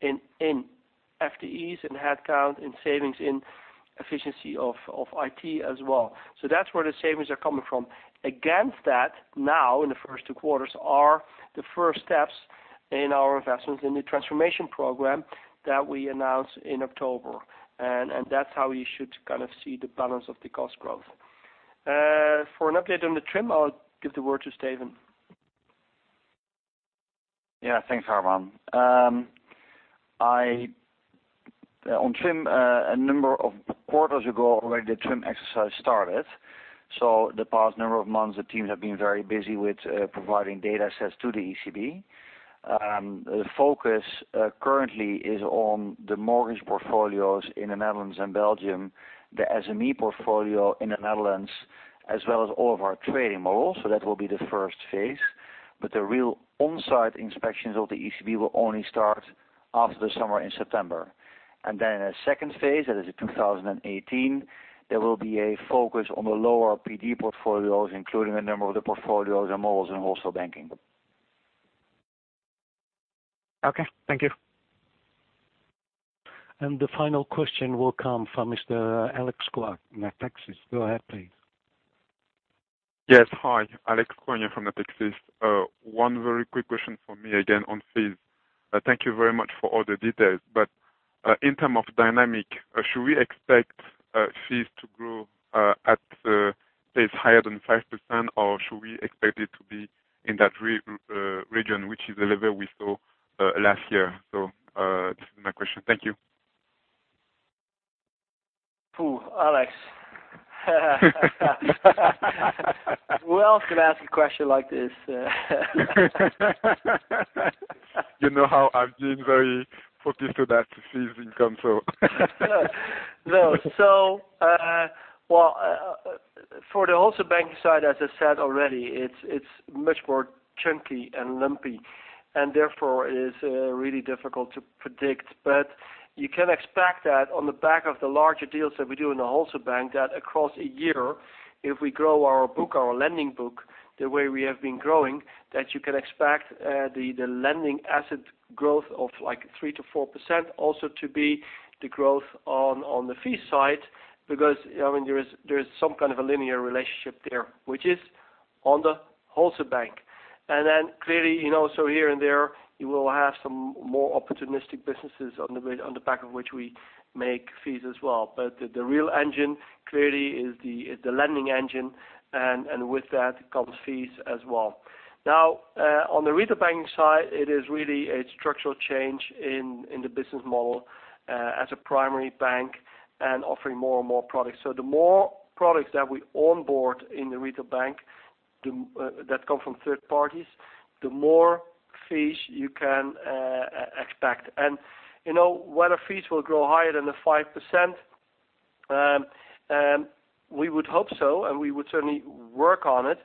FTEs and headcount and savings in Efficiency of IT as well. That's where the savings are coming from. Against that, now in the first two quarters are the first steps in our investments in the transformation program that we announced in October, and that's how you should see the balance of the cost growth. For an update on the TRIM, I'll give the word to Steven. Yeah, thanks, Varman Jain. On TRIM, a number of quarters ago, already the TRIM exercise started. The past number of months, the teams have been very busy with providing data sets to the ECB. The focus currently is on the mortgage portfolios in the Netherlands and Belgium, the SME portfolio in the Netherlands, as well as all of our trading models, so that will be the first phase. The real onsite inspections of the ECB will only start after the summer in September. In the second phase, that is in 2018, there will be a focus on the lower PD portfolios, including a number of the portfolios and models in Wholesale Banking. Okay, thank you. The final question will come from Mr. Alexandre Hezez, Natixis. Go ahead, please. Yes. Hi, Alexandre Hezez from Natixis. One very quick question from me again on fees. Thank you very much for all the details, but in terms of dynamic, should we expect fees to grow at pace higher than 5% or should we expect it to be in that region, which is the level we saw last year? This is my question. Thank you. Ooh, Alex. Who else can ask a question like this? You know how I've been very focused on that fees income. No. Well, for the Wholesale Banking side, as I said already, it's much more chunky and lumpy and therefore it is really difficult to predict. You can expect that on the back of the larger deals that we do in the Wholesale Bank, that across a year, if we grow our book, our lending book, the way we have been growing, that you can expect the lending asset growth of 3%-4% also to be the growth on the fee side because there is some kind of a linear relationship there, which is on the Wholesale Bank. Clearly, so here and there, you will have some more opportunistic businesses on the back of which we make fees as well. The real engine clearly is the lending engine, and with that comes fees as well. On the Retail Banking side, it is really a structural change in the business model as a primary bank and offering more and more products. The more products that we onboard in the Retail Bank that come from third parties, the more fees you can expect. Whether fees will grow higher than the 5%, we would hope so, and we would certainly work on it.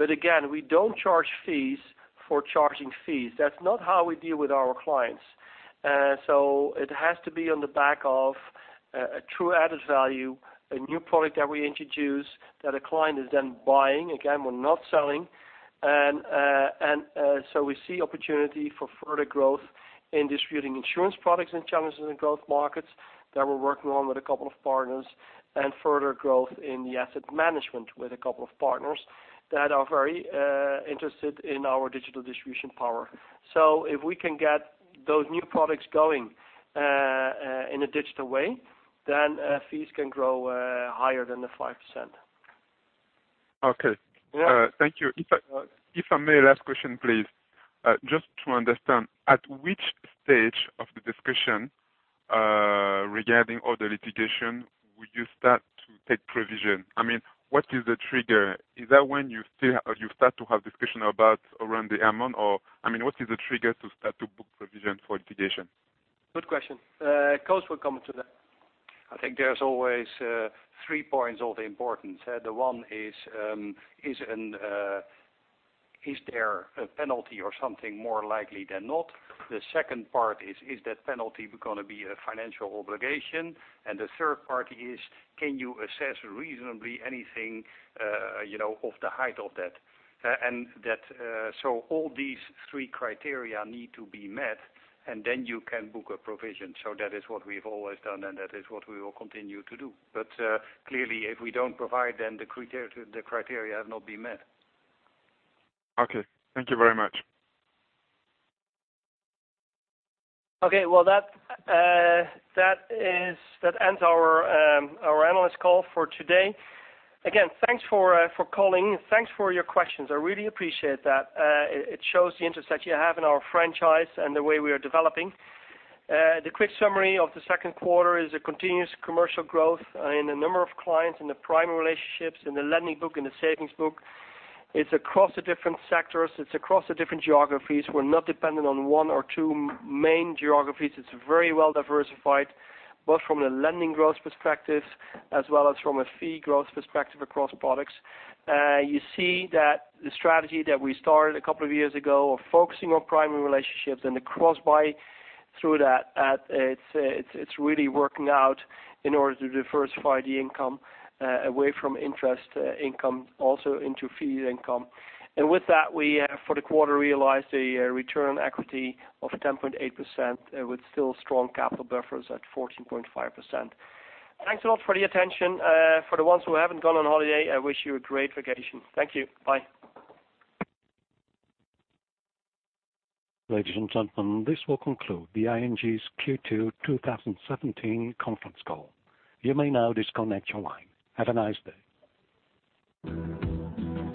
Again, we don't charge fees for charging fees. That's not how we deal with our clients. It has to be on the back of a true added value, a new product that we introduce that a client is then buying. Again, we're not selling. We see opportunity for further growth in distributing insurance products in challenges and growth markets that we're working on with a couple of partners, and further growth in the asset management with a couple of partners that are very interested in our digital distribution power. If we can get those new products going in a digital way, then fees can grow higher than the 5%. Okay. Yeah. Thank you. If I may, last question, please. Just to understand, at which stage of the discussion regarding all the litigation would you start to take provision? What is the trigger? Is that when you start to have discussion around the amount or, what is the trigger to start to book provision for litigation? Good question. Koos will comment to that. I think there's always three points of importance. One is there a penalty or something more likely than not? Second part is that penalty going to be a financial obligation? Third part is, can you assess reasonably anything of the height of that? All these three criteria need to be met, and then you can book a provision. That is what we've always done, and that is what we will continue to do. Clearly, if we don't provide, then the criteria have not been met. Okay. Thank you very much. Okay. Well, that ends our analyst call for today. Again, thanks for calling. Thanks for your questions. I really appreciate that. It shows the interest that you have in our franchise and the way we are developing. The quick summary of the second quarter is a continuous commercial growth in the number of clients, in the primary relationships, in the lending book, in the savings book. It's across the different sectors. It's across the different geographies. We're not dependent on one or two main geographies. It's very well diversified, both from a lending growth perspective as well as from a fee growth perspective across products. You see that the strategy that we started a couple of years ago of focusing on primary relationships and the cross-buy through that, it's really working out in order to diversify the income away from interest income also into fee income. With that, we for the quarter realized a return on equity of 10.8% with still strong capital buffers at 14.5%. Thanks a lot for the attention. For the ones who haven't gone on holiday, I wish you a great vacation. Thank you. Bye. Ladies and gentlemen, this will conclude the ING's Q2 2017 conference call. You may now disconnect your line. Have a nice day.